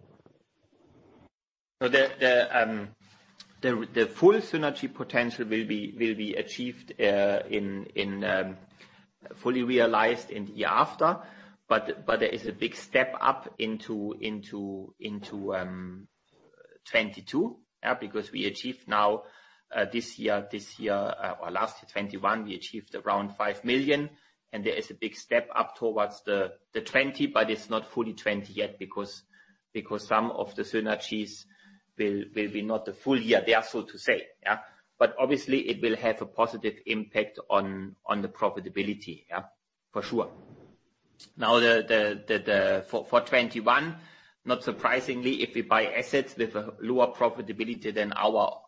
The full synergy potential will be fully realized in the year after. There is a big step up into 2022, yeah, because we achieved this year, 2021, around 5 million and there is a big step up towards the 20, but it's not fully 20 yet because some of the synergies will not be the full year there, so to say, yeah. Obviously it will have a positive impact on the profitability, yeah, for sure. Now, for 2021, not surprisingly, if we buy assets with a lower profitability than our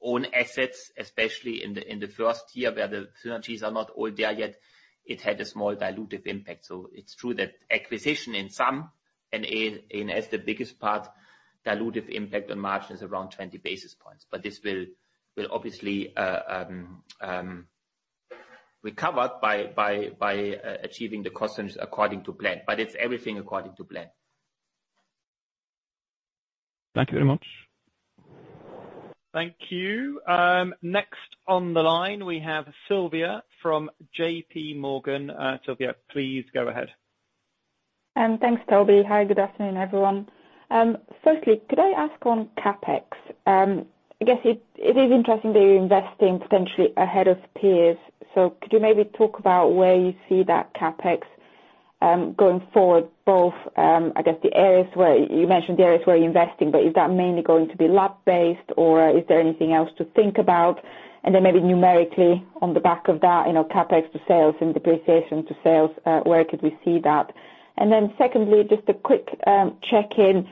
own assets, especially in the first year where the synergies are not all there yet, it had a small dilutive impact. It's true that acquisition of A&S, the biggest part, dilutive impact on margin is around 20 basis points. This will obviously recover by achieving the cost savings according to plan. It's everything according to plan. Thank you very much. Thank you. Next on the line, we have Sylvia from J.P. Morgan. Sylvia, please go ahead. Thanks, Toby. Hi, good afternoon, everyone. Firstly, could I ask on CapEx? I guess it is interesting that you're investing potentially ahead of peers. Could you maybe talk about where you see that CapEx going forward, both I guess you mentioned the areas where you're investing, but is that mainly going to be lab based or is there anything else to think about? Then maybe numerically on the back of that, you know, CapEx to sales and depreciation to sales, where could we see that? Then secondly, just a quick check-in.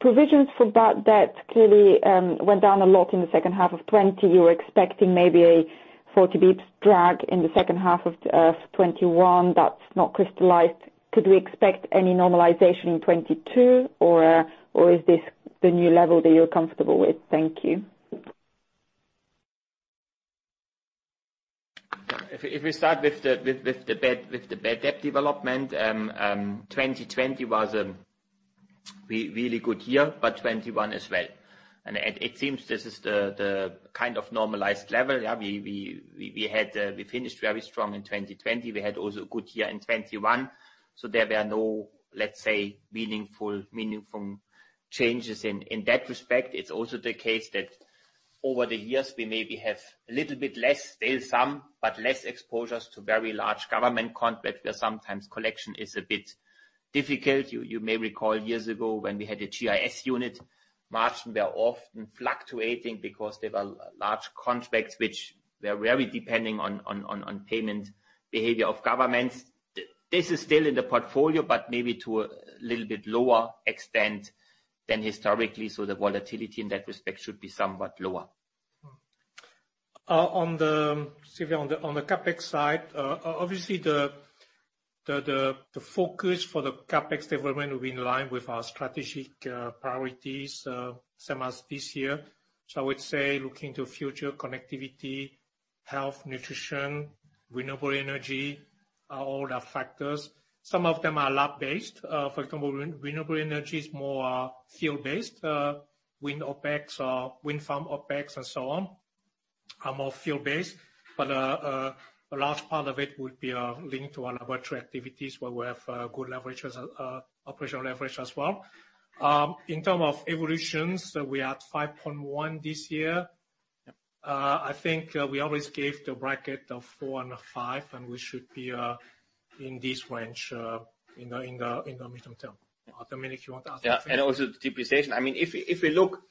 Provisions for bad debt clearly went down a lot in the H2 of 2020. You were expecting maybe a 40 basis points drag in the H2 of 2021. That's not crystallized. Could we expect any normalization in 2022 or is this the new level that you're comfortable with? Thank you. If we start with the bad debt development, 2020 was really good year, but 2021 as well. It seems this is the normalized level. We finished very strong in 2020. We had also a good year in 2021. There were no, let's say, meaningful changes in that respect. It's also the case that over the years, we maybe have a little bit less, still some, but less exposures to very large government contracts, where sometimes collection is a bit difficult. You may recall years ago when we had a GIS unit, margins were often fluctuating because there were large contracts which were very dependent on payment behavior of governments. This is still in the portfolio, but maybe to a little bit lower extent than historically. The volatility in that respect should be somewhat lower. On the CapEx side, Sylvia, obviously the focus for the CapEx development will be in line with our strategic priorities, same as this year. I would say looking to future connectivity. Health, nutrition, renewable energy are all our factors. Some of them are lab based. For example, renewable energy is more field-based. Wind OpEx or wind farm OpEx and so on are more field based. A large part of it would be linked to our laboratory activities, where we have good leverage as operational leverage as well. In terms of evolutions, we are at 5.1% this year. I think we always gave the bracket of 4%-5%, and we should be in this range in the medium term. Dominik, you want to add anything? Yeah. Also the depreciation. I mean, if you look,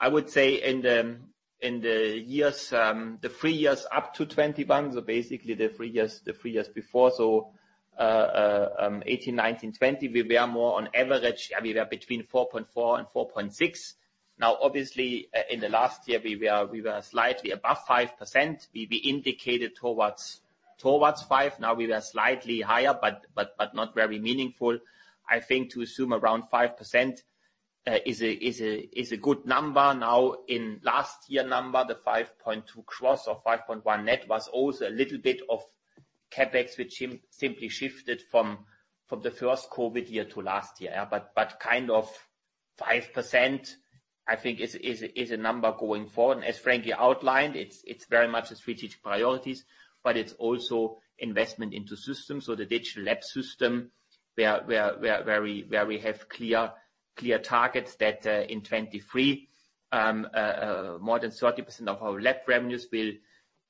I would say in the years, the 3 years up to 2021, so basically the 3 years before, so, 2018, 2019, 2020, we were more on average, I mean, we are between 4.4 and 4.6. Now, obviously, in the last year, we were slightly above 5%. We indicated towards 5%. Now we were slightly higher, but not very meaningful. I think to assume around 5% is a good number. Now, in last year number, the 5.2 gross or 5.1 net was also a little bit of CapEx, which simply shifted from the first COVID year to last year. 5% is a number going forward, I think. As Frankie outlined, it's very much the strategic priorities, but it's also investment into systems. The Digital Lab system, where we have clear targets that in 2023 more than 30% of our lab revenues will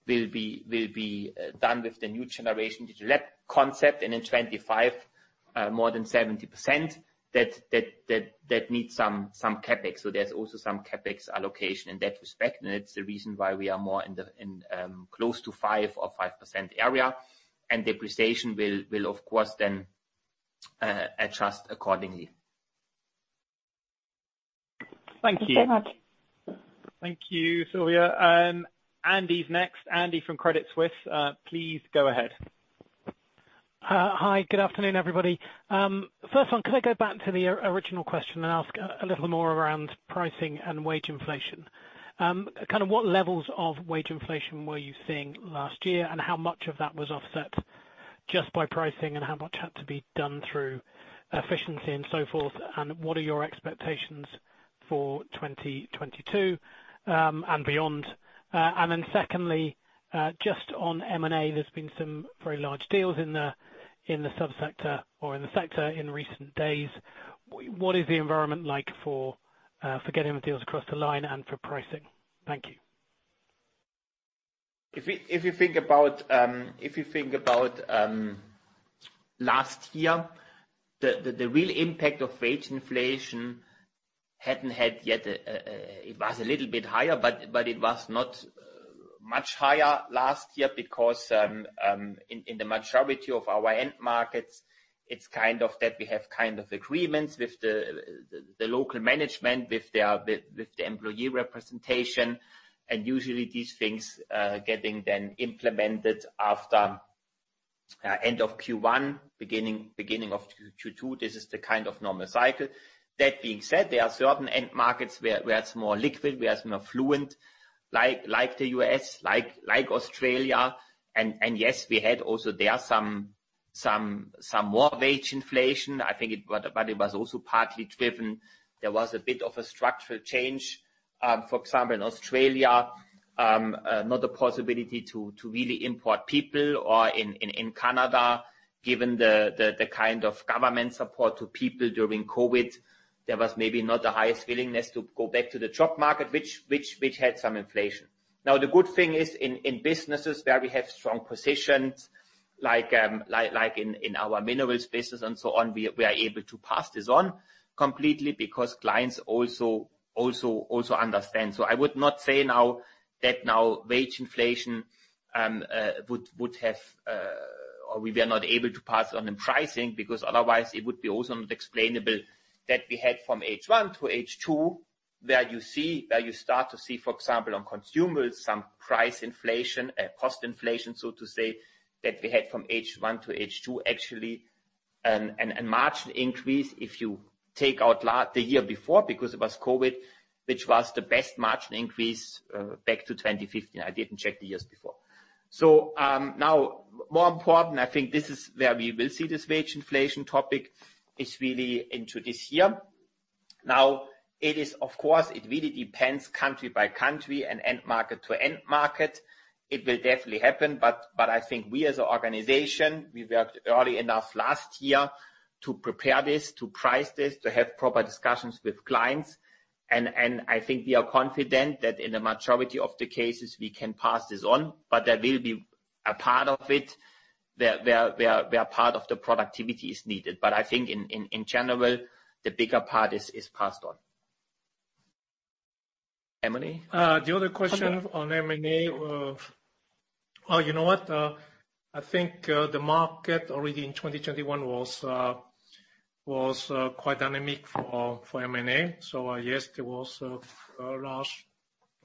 be done with the new generation Digital Lab concept. In 2025 more than 70%, that needs some CapEx. There's also some CapEx allocation in that respect. It's the reason why we are more in the close to 5% or 5% area. Depreciation will of course then adjust accordingly. Thank you. Thank you so much. Thank you, Sylvia. Andy's next. Andy from Credit Suisse. Please go ahead. Hi. Good afternoon, everybody. First one, could I go back to the original question and ask a little more around pricing and wage inflation? What levels of wage inflation were you seeing last year, and how much of that was offset just by pricing, and how much had to be done through efficiency and so forth? What are your expectations for 2022 and beyond? Secondly, just on M&A, there's been some very large deals in the subsector or in the sector in recent days. What is the environment like for getting the deals across the line and for pricing? Thank you. If you think about last year, the real impact of wage inflation hadn't had yet. It was a little bit higher, but it was not much higher last year because in the majority of our end markets, it's that we have agreements with the local management, with the employee representation. Usually these things getting then implemented after end of Q1, beginning of Q2. This is the normal cycle. That being said, there are certain end markets where it's more liquid, where it's more fluent, like the U.S., like Australia. Yes, we had also there some more wage inflation. I think it was also partly driven. There was a bit of a structural change, for example, in Australia, not a possibility to really import people or in Canada, given the government support to people during COVID, there was maybe not the highest willingness to go back to the job market, which had some inflation. Now, the good thing is in businesses where we have strong positions, like in our minerals business and so on, we are able to pass this on completely because clients also understand. I would not say now that wage inflation would have or we are not able to pass on in pricing, because otherwise it would be also not explainable that we had from H1 to H2 where you start to see, for example, on consumers, some price inflation, cost inflation, so to say, that we had from H1 to H2 actually, an margin increase if you take out the year before because it was COVID, which was the best margin increase back to 2015. I didn't check the years before. Now more important, I think this is where we will see this wage inflation topic is really into this year. Now, it is, of course, really depends country by country and end market to end market. It will definitely happen, but I think we as an organization worked early enough last year to prepare this, to price this, to have proper discussions with clients. I think we are confident that in the majority of the cases we can pass this on, but there will be a part of it where part of the productivity is needed. I think in general, the bigger part is passed on. Emily? The other question on M&A. I think the market already in 2021 was quite dynamic for M&A. Yes,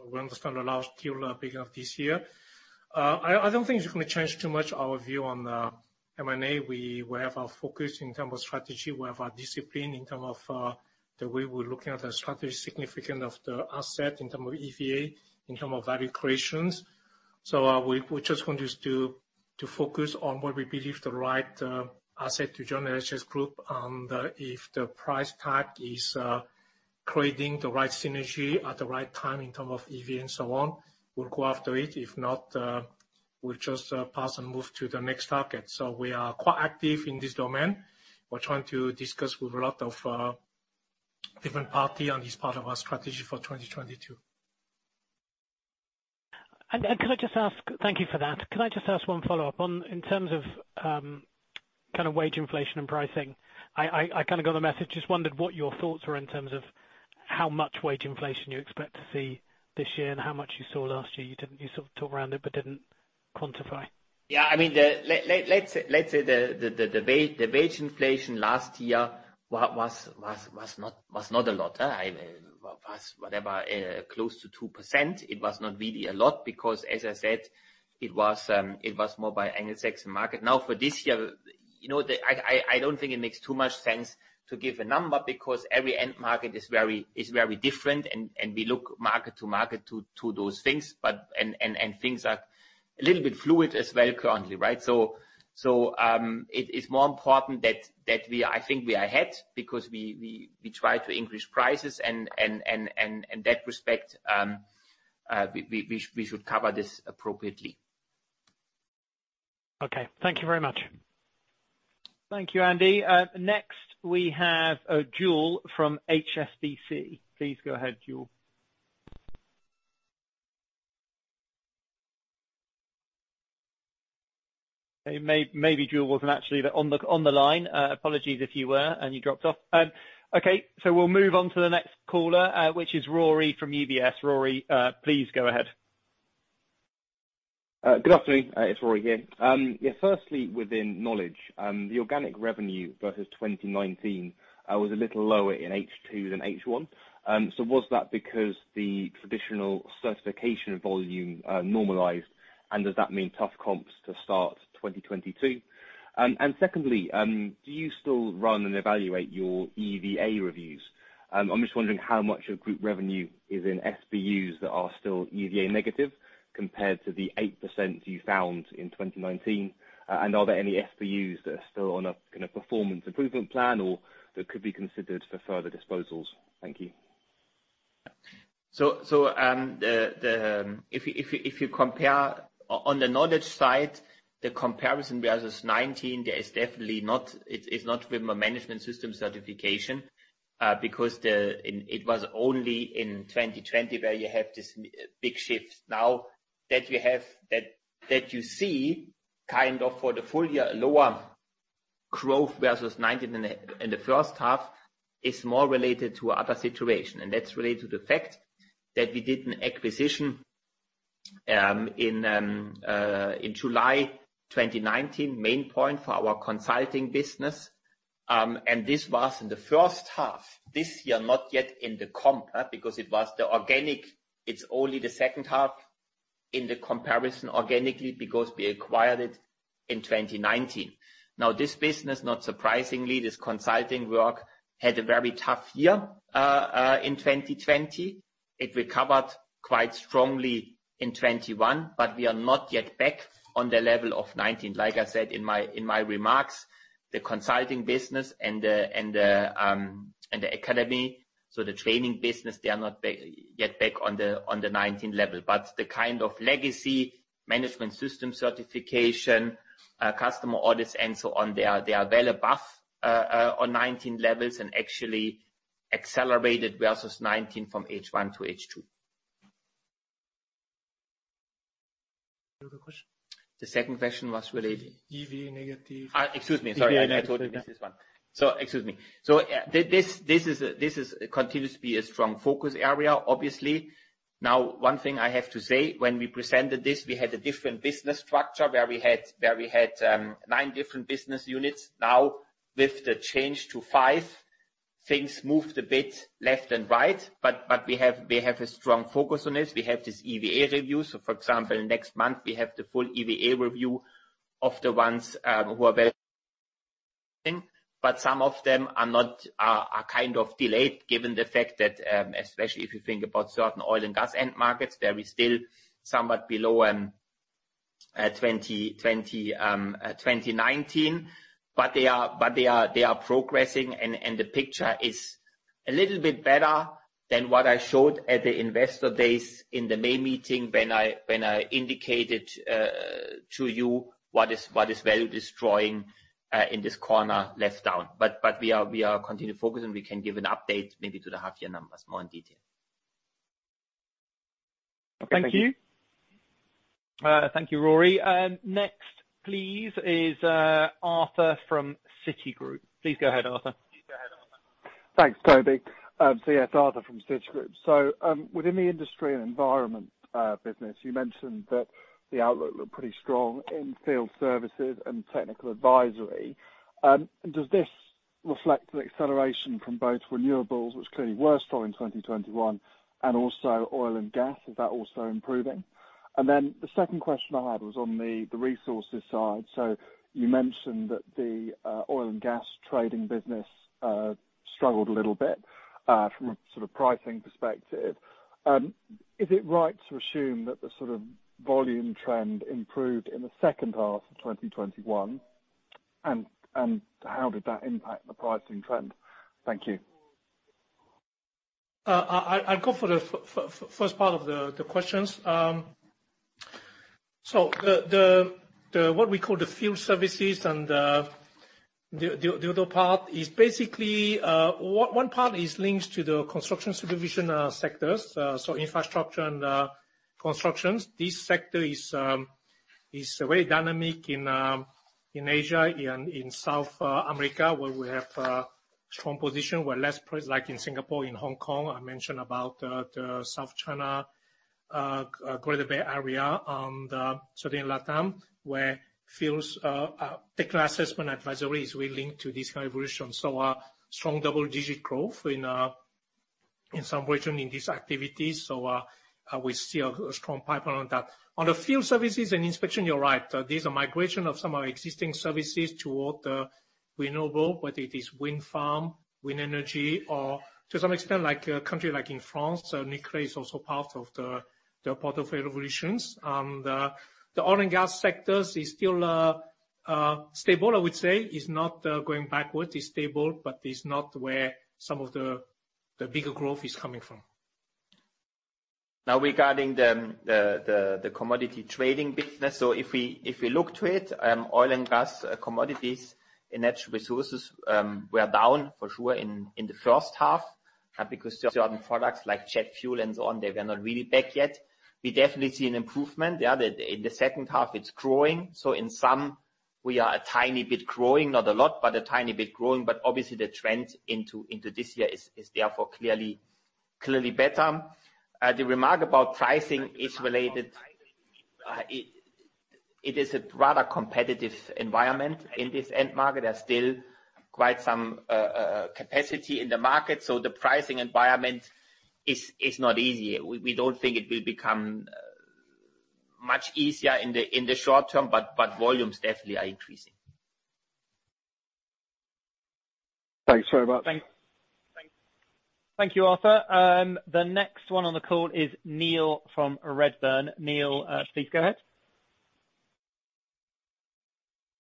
we understand a large deal beginning of this year. I don't think it's going to change too much our view on M&A. We have our focus in terms of strategy. We have our discipline in terms of the way we're looking at the strategic significance of the asset in terms of EVA, in terms of value creation. We just want to focus on what we believe the right asset to join SGS Group, and if the price tag is creating the right synergy at the right time in terms of EV and so on, we'll go after it. If not, we'll just pass and move to the next target. We are quite active in this domain. We're trying to discuss with a lot of different parties on this part of our strategy for 2022. Thank you for that. Could I just ask one follow-up on, in terms of, wage inflation and pricing? I got the message. Wondered what your thoughts were in terms of how much wage inflation you expect to see this year and how much you saw last year. You didn't, you talked around it, but didn't quantify. Yeah, I mean, let's say the wage inflation last year was not a lot. It was whatever close to 2%. It was not really a lot because, as I said, it was more by Anglo-Saxon market. Now, for this year, you know, I don't think it makes too much sense to give a number because every end market is very different and we look market to market to those things. Things are a little bit fluid as well currently, right? It is more important that we are ahead. I think we are ahead because we try to increase prices, and in that respect, we should cover this appropriately. Okay. Thank you very much. Thank you, Andy. Next we have Joel from HSBC. Please go ahead, Joel. Okay. Maybe Joel wasn't actually on the line. Apologies if you were and you dropped off. Okay, so we'll move on to the next caller, which is Rory from UBS. Rory, please go ahead. Good afternoon. It's Rory here. Yeah, firstly, within Knowledge, the organic revenue versus 2019 was a little lower in H2 than H1. Was that because the traditional certification volume normalized? Does that mean tough comps to start 2022? Secondly, do you still run and evaluate your EVA reviews? I'm just wondering how much of Group revenue is in SBUs that are still EVA negative compared to the 8% you found in 2019. Are there any SBUs that are still on a performance improvement plan or that could be considered for further disposals? Thank you. If you compare on the Knowledge side, the comparison versus 2019, there is definitely not, it is not with my management system certification, because in it was only in 2020 where you have this big shift now that you have, that you see for the full year lower growth versus 2019 in the H1 is more related to other situation, and that's related to the fact that we did an acquisition in July 2019, Maine Pointe for our consulting business. This was in the H1 this year, not yet in the comp, because it was the organic. It's only the H2 in the comparison organically because we acquired it in 2019. Now this business, not surprisingly, this consulting work had a very tough year in 2020. It recovered quite strongly in 2021, but we are not yet back on the level of 2019. Like I said in my remarks, the consulting business and the academy, so the training business, they are not back yet on the 2019 level. The legacy management system certification, customer orders and so on, they are well above 2019 levels and actually accelerated versus 2019 from H1 to H2. Any other question? The second question was related. EVA negative. Excuse me. Sorry. EVA negative. Yeah. I thought it was this one. Excuse me. This continues to be a strong focus area, obviously. Now, one thing I have to say, when we presented this, we had a different business structure where we had 9 different business units. Now with the change to 5, things moved a bit left and right, but we have a strong focus on this. We have this EVA review. For example, next month we have the full EVA review of the ones who are very thin, but some of them are delayed given the fact that, especially if you think about certain oil and gas end markets, they'll be still somewhat below 2020, 2019. They are progressing and the picture is a little bit better than what I showed at the investor days in the main meeting when I indicated to you what is value destroying in this corner left down. We are continuing to focus and we can give an update maybe to the half year numbers more in detail. Okay. Thank you. Thank you. Thank you, Rory. Next please is Arthur from Citigroup. Please go ahead, Arthur. Thanks, Toby. Yes, Arthur from Citigroup. Within the Industries & Environment business, you mentioned that the outlook looked pretty strong in field services and technical advisory. Does this reflect an acceleration from both renewables, which clearly were strong in 2021, and also oil and gas? Is that also improving? The second question I had was on the Natural Resources side. You mentioned that the oil and gas trading business struggled a little bit from a pricing perspective. Is it right to assume that the volume trend improved in the H2 of 2021? How did that impact the pricing trend? Thank you. I'll go for the first part of the questions. What we call the field services and the other part is basically one part linked to the construction supervision sectors. Infrastructure and constructions. This sector is very dynamic in Asia and in South America, where we have strong position. We're less present like in Singapore, in Hong Kong. I mentioned about the South China Greater Bay Area and Southern LatAm, where field services technical assessment advisory is really linked to this evolution. Strong double-digit growth in some region in this activity. We see a strong pipeline on that. On the field services and inspection, you're right. These are migration of some of our existing services toward the renewables, whether it is wind farm, wind energy, or to some extent, like a country like in France, nuclear is also part of the part of renewables. The oil and gas sectors is still stable, I would say. It's not going backwards. It's stable, but it's not where some of the bigger growth is coming from. Now regarding the commodity trading business. If we look to it, oil and gas commodities and natural resources were down for sure in the H1 because certain products like jet fuel and so on, they were not really back yet. We definitely see an improvement, yeah. In the H2, it's growing. In sum, we are a tiny bit growing. Not a lot, but a tiny bit growing. Obviously the trend into this year is therefore clearly better. The remark about pricing is related. It is a rather competitive environment in this end market. There's still quite some capacity in the market, so the pricing environment is not easy. We don't think it will become much easier in the short term, but volumes definitely are increasing. Thanks very much. Thank- Thank you, Arthur. The next one on the call is Neil from Redburn. Neil, please go ahead.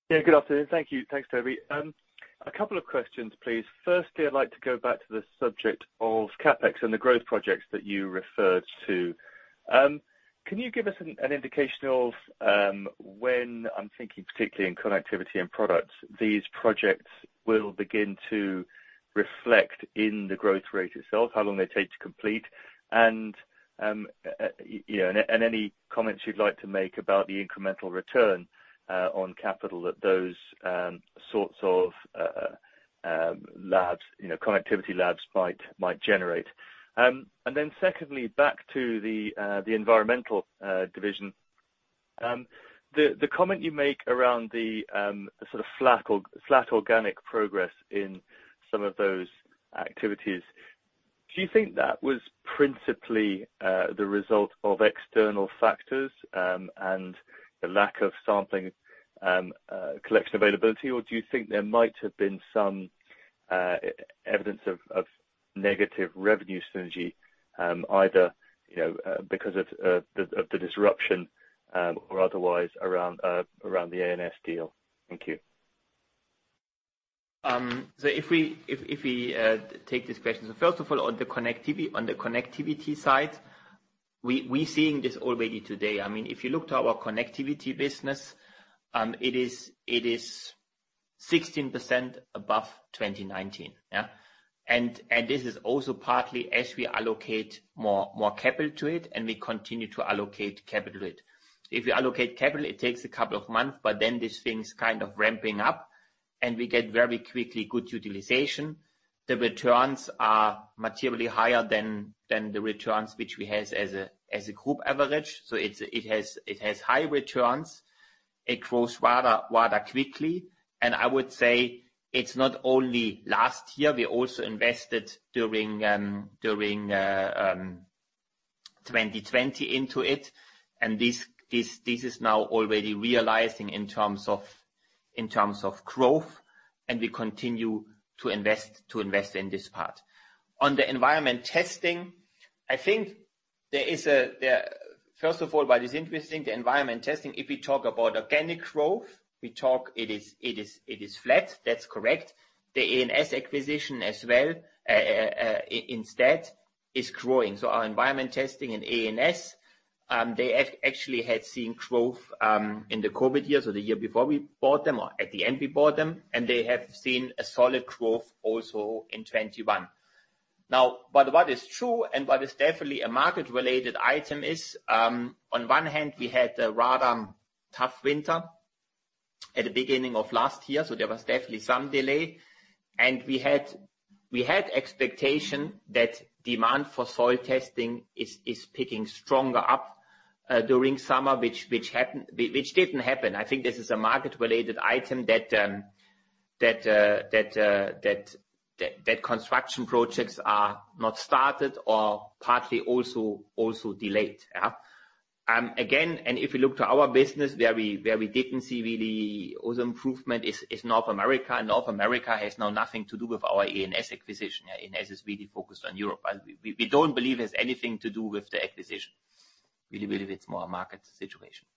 Yeah, good afternoon. Thank you. Thanks, Toby. A couple of questions, please. Firstly, I'd like to go back to the subject of CapEx and the growth projects that you referred to. Can you give us an indication of when, I'm thinking particularly in Connectivity & Products, these projects will begin to reflect in the growth rate itself? How long they take to complete and you know and any comments you'd like to make about the incremental return on capital that those sorts of you know connectivity labs might generate. Then secondly, back to the Industries & Environment. The comment you make around the flat organic progress in some of those activities, do you think that was principally the result of external factors and the lack of sampling collection availability? Or do you think there might have been some evidence of negative revenue synergy, either, you know, because of the disruption or otherwise around the A&S deal? Thank you. If we take these questions. First of all, on the Connectivity side, we're seeing this already today. I mean, if you look to our Connectivity business, it is 16% above 2019, yeah? This is also partly as we allocate more capital to it, and we continue to allocate capital to it. If we allocate capital, it takes a couple of months, but then this thing's ramping up, and we get very quickly good utilization. The returns are materially higher than the returns which we has as a group average. It has high returns. It grows rather quickly. I would say it's not only last year. We also invested during 2020 into it. This is now already realizing in terms of growth, and we continue to invest in this part. On the environment testing, I think there is. First of all, what is interesting, the environment testing, if we talk about organic growth, it is flat. That's correct. The A&S acquisition as well instead is growing. So our environment testing in A&S, they actually had seen growth in the COVID years or the year before we bought them, and they have seen a solid growth also in 2021. What is true and what is definitely a market related item is, on one hand, we had a rather tough winter at the beginning of last year, so there was definitely some delay. We had expectation that demand for soil testing is picking stronger up during summer, which didn't happen. I think this is a market related item that construction projects are not started or partly also delayed. If you look to our business, where we didn't see really all the improvement is North America. North America has now nothing to do with our A&S acquisition. A&S is really focused on Europe. We don't believe it has anything to do with the acquisition. Really, it's more a market situation.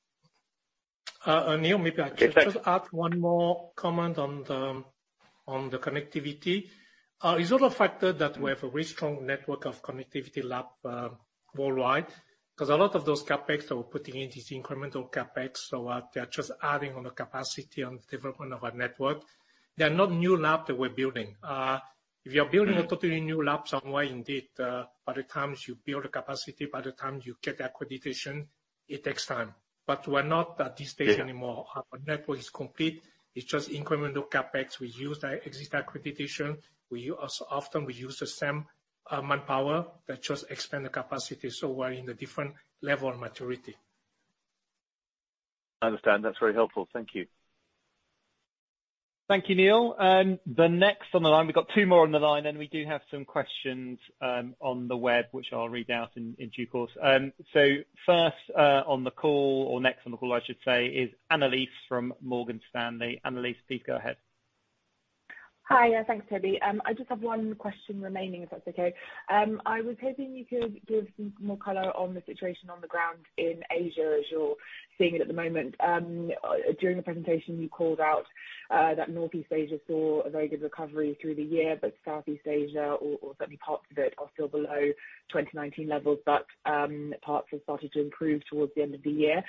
Neil, maybe I can. Yeah. Just add one more comment on the connectivity. It's also a factor that we have a really strong network of connectivity labs worldwide, 'cause a lot of those CapEx that we're putting in is incremental CapEx, so they're just adding on the capacity and development of our network. They're not new labs that we're building. If you're building Mm-hmm. A totally new lab somewhere, indeed, by the time you build the capacity, by the time you get accreditation, it takes time. We're not at this stage anymore. Yeah. Our network is complete. It's just incremental CapEx. We use our existing accreditation. We use as often as we use the same manpower that just expands the capacity. We're in a different level of maturity. I understand. That's very helpful. Thank you. Thank you, Neil. The next on the line. We've got two more on the line, and we do have some questions on the web, which I'll read out in due course. First, next on the call, I should say, is Annelies from Morgan Stanley. Annelies, please go ahead. Hi. Thanks, Toby. I just have one question remaining, if that's okay. I was hoping you could give some more color on the situation on the ground in Asia as you're seeing it at the moment. During the presentation you called out that Northeast Asia saw a very good recovery through the year, but Southeast Asia or certainly parts of it are still below 2019 levels, but parts have started to improve towards the end of the year.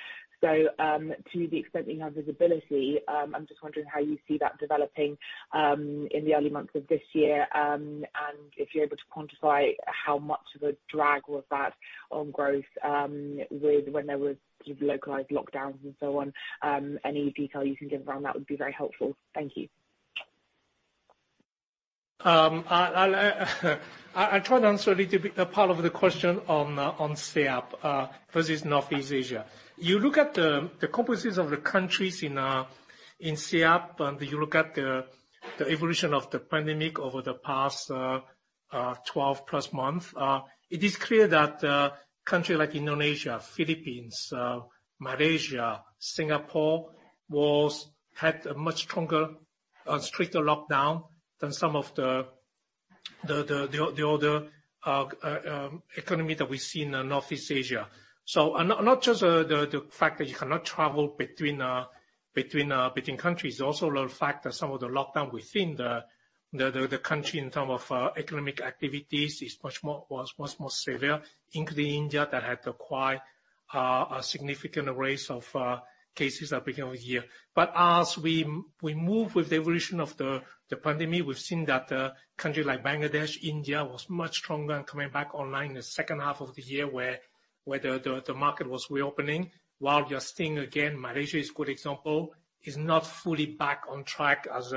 To the extent that you have visibility, I'm just wondering how you see that developing in the early months of this year. If you're able to quantify how much of a drag was that on growth with when there was localized lockdowns and so on. Any detail you can give around that would be very helpful. Thank you. I'll try to answer a little bit part of the question on SEAP versus Northeast Asia. You look at the composition of the countries in SEAP, and you look at the evolution of the pandemic over the past 12-plus months, it is clear that country like Indonesia, Philippines, Malaysia, Singapore had a much stronger, stricter lockdown than some of the other economy that we see in Northeast Asia, and not just the fact that you cannot travel between countries. A factor, some of the lockdowns within the countries in terms of economic activities was more severe, including India, that had incurred a significant rise of cases at the beginning of the year. As we move with the evolution of the pandemic, we've seen that countries like Bangladesh, India was much stronger and coming back online in the H2 of the year where the market was reopening. While you're seeing, again, Malaysia is a good example, is not fully back on track as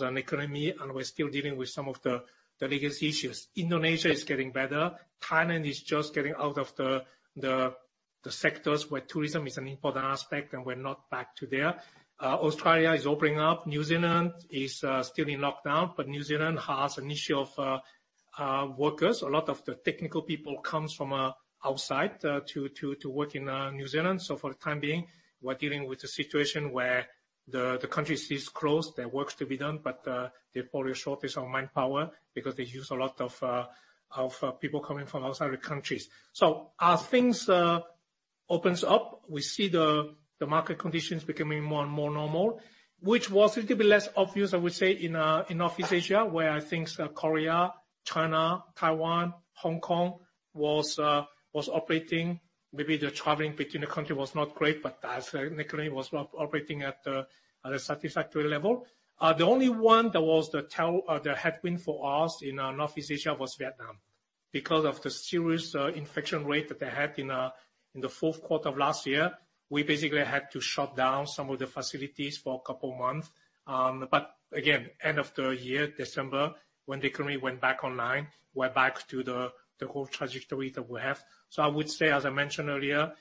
an economy, and we're still dealing with some of the legacy issues. Indonesia is getting better. Thailand is just getting out of the sectors where tourism is an important aspect, and we're not back to there. Australia is opening up. New Zealand is still in lockdown, but New Zealand has an issue of workers. A lot of the technical people comes from outside to work in New Zealand. For the time being, we're dealing with a situation where the country stays closed. There works to be done, but they probably shortage on manpower because they use a lot of people coming from outside the countries. As things opens up, we see the market conditions becoming more and more normal, which was a little bit less obvious, I would say, in Northeast Asia, where I think South Korea, China, Taiwan, Hong Kong was operating. Maybe the traveling between the country was not great, but as an economy was operating at a satisfactory level. The only one that was the tail, the headwind for us in Northeast Asia was Vietnam. Because of the serious infection rate that they had in the Q4 of last year, we basically had to shut down some of the facilities for a couple month. Again, end of the year, December, when the economy went back online, we're back to the whole trajectory that we have. I would say, as I mentioned earlier,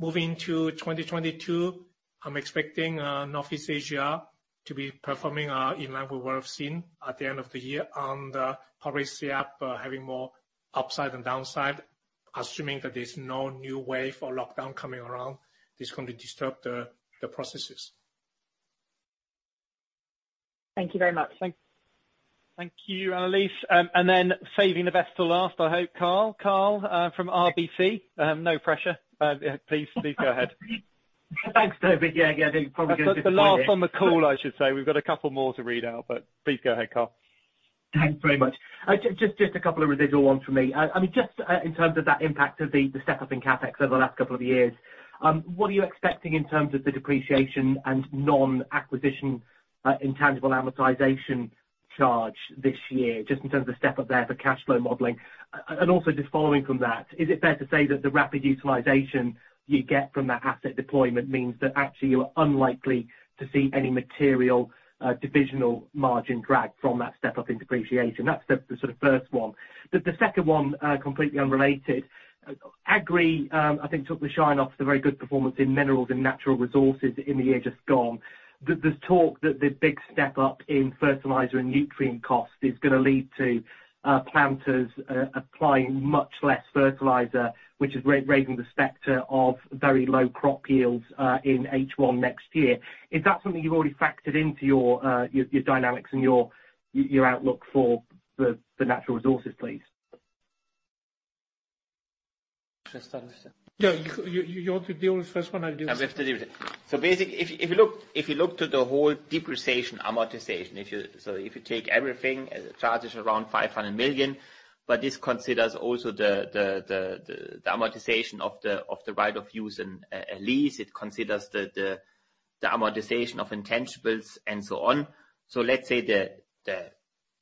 moving to 2022, I'm expecting Northeast Asia to be performing in line with what I've seen at the end of the year, and probably SEAP having more upside than downside, assuming that there's no new wave or lockdown coming around that's going to disturb the processes. Thank you very much. Thank- Thank you, Annelies. Saving the best to last, I hope, Carl. Carl, from RBC. No pressure. Please go ahead. Thanks, Toby. Yeah, yeah, I think probably. The last on the call, I should say. We've got a couple more to read out, but please go ahead, Carl. Thanks very much. Just a couple of residual ones from me. I mean, just in terms of that impact of the step up in CapEx over the last couple of years, what are you expecting in terms of the depreciation and non-acquisition intangible amortization charge this year, just in terms of step up there for cash flow modeling? Also just following from that, is it fair to say that the rapid utilization you get from that asset deployment means that actually you're unlikely to see any material divisional margin drag from that step up in depreciation? That's the first one. The second one, completely unrelated. Agri, I think took the shine off the very good performance in minerals and Natural Resources in the year just gone. There's talk that the big step up in fertilizer and nutrient cost is going to lead to planters applying much less fertilizer, which is raising the specter of very low crop yields in H1 next year. Is that something you've already factored into your dynamics and your outlook for the Natural Resources, please? Should I start with that? Yeah, you want to deal with the first one, I'll deal with I'm happy to deal with it. If you look to the whole depreciation amortization. If you take everything as charges around 500 million, but this considers also the amortization of the right of use and a lease. It considers the amortization of intangibles, and so on. Let's say the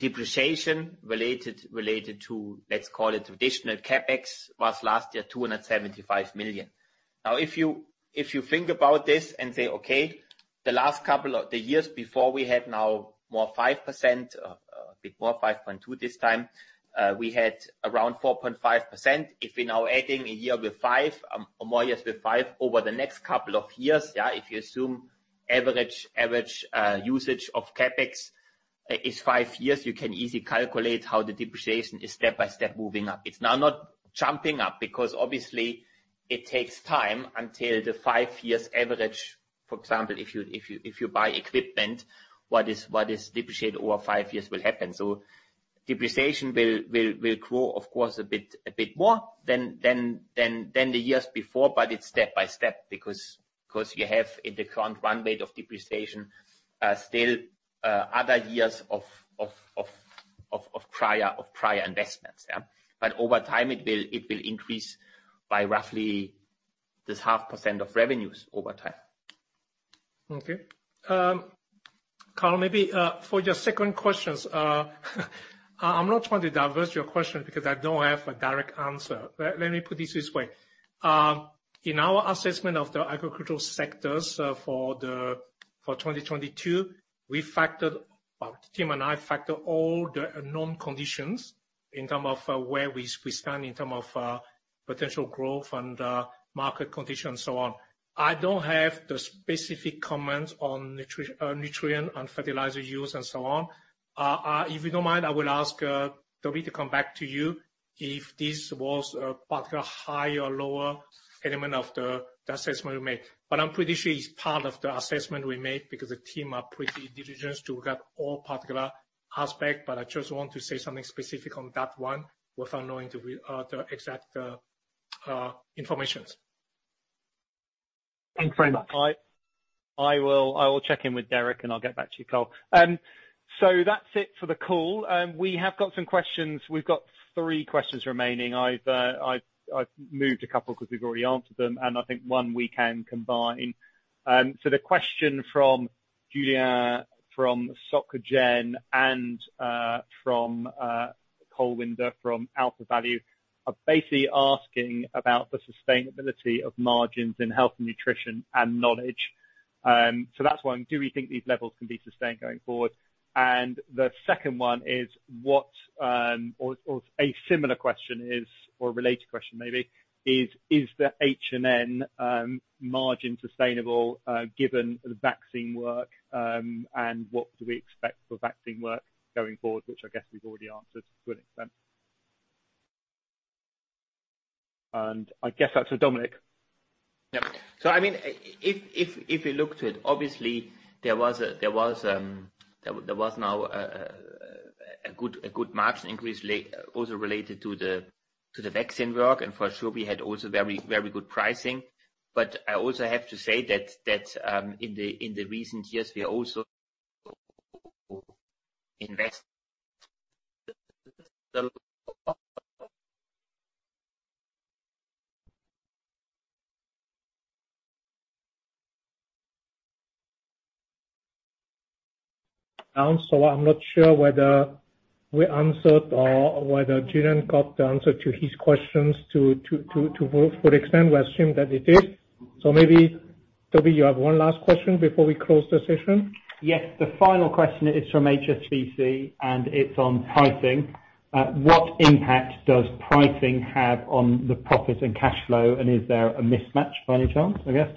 depreciation related to, let's call it traditional CapEx, was last year 275 million. If you think about this and say, "Okay, the last couple of the years before we had now more 5%," a bit more, 5.2% this time, we had around 4.5%. If we're now adding a year with five, or more years with five, over the next couple of years, yeah, if you assume average usage of CapEx is five years, you can easily calculate how the depreciation is step-by-step moving up. It's now not jumping up because obviously it takes time until the five years average. For example, if you buy equipment, what is depreciated over five years will happen. So depreciation will grow, of course, a bit more than the years before, but it's step-by-step. Because you have in the current run rate of depreciation still other years of prior investments, yeah. Over time it will increase by roughly this 0.5% of revenues over time. Okay. Carl, maybe for your second questions, I'm not trying to divert your question because I don't have a direct answer. Let me put this way. In our assessment of the agricultural sectors, for 2022, we factored, well, the team and I factor all the known conditions in terms of where we stand in terms of potential growth and market conditions, so on. I don't have the specific comments on nutrient and fertilizer use, and so on. If you don't mind, I will ask Toby to come back to you, if this was a particular high or lower element of the assessment we made. I'm pretty sure it's part of the assessment we made because the team are pretty diligent to look at all particular aspect. I just want to say something specific on that one without knowing the exact information. Thanks very much. I will check in with Derek and I'll get back to you, Carl. That's it for the call. We have got some questions. We've got three questions remaining. I've moved a couple 'cause we've already answered them, and I think one we can combine. The question from Julian, from SocGen, and from Kolminder from AlphaValue, are basically asking about the sustainability of margins in Health and Nutrition and Knowledge. That's one. Do we think these levels can be sustained going forward? The second one is what. Or a similar question is, or a related question maybe, is the H&N margin sustainable, given the vaccine work? What do we expect for vaccine work going forward? Which I guess we've already answered to a good extent. I guess that's for Dominik. I mean, if you look to it, obviously there was a good margin increase also related to the vaccine work, and for sure we had also very good pricing. I also have to say that in the recent years, we also invest the. I'm not sure whether we answered or whether Julian got the answer to his questions to the extent we assume that it is. Maybe, Toby, you have one last question before we close the session? Yes. The final question is from HSBC, and it's on pricing. What impact does pricing have on the profit and cash flow, and is there a mismatch by any chance, I guess?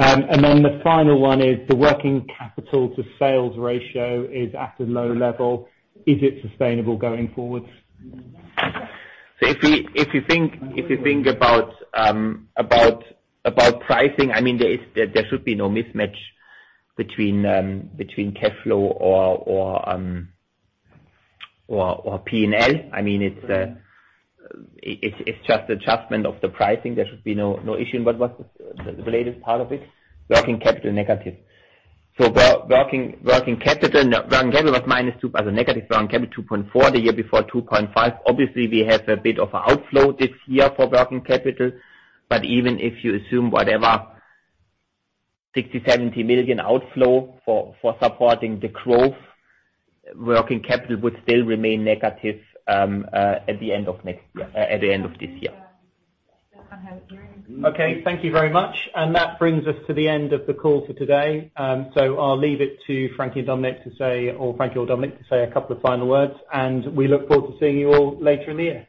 The final one is the working capital to sales ratio is at a low level. Is it sustainable going forward? If you think about pricing, I mean, there should be no mismatch between cash flow or P&L. I mean, it's just adjustment of the pricing. There should be no issue. What's the related part of it? Working capital is negative. Working capital was -CHF 2.4 billion. It was a negative working capital of 2.4 billion. The year before, 2.5 billion. Obviously, we have a bit of an outflow this year for working capital. Even if you assume whatever, 60 million-70 million outflow for supporting the growth, working capital would still remain negative at the end of this year. Okay, thank you very much. That brings us to the end of the call for today. I'll leave it to Frankie or Dominik to say a couple of final words, and we look forward to seeing you all later in the year.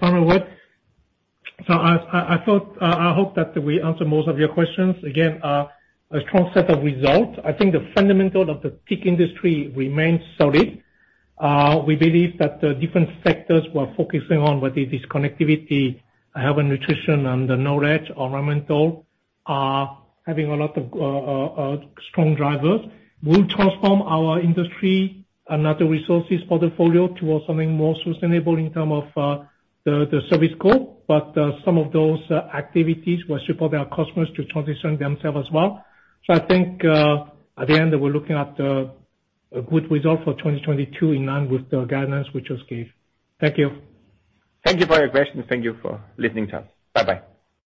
Final word. I hope that we answered most of your questions. Again, a strong set of results. I think the fundamentals of the TIC industry remain solid. We believe that the different sectors we're focusing on, whether it is Connectivity & Products, Health & Nutrition, and the Knowledge and Natural Resources, are having a lot of strong drivers. We'll transform our Industries & Environment and Natural Resources portfolio towards something more sustainable in terms of the service scope. Some of those activities will support our customers to transition themselves well. I think at the end, we're looking at a good result for 2022 in line with the guidance we just gave. Thank you. Thank you for your question. Thank you for listening to us. Bye-bye.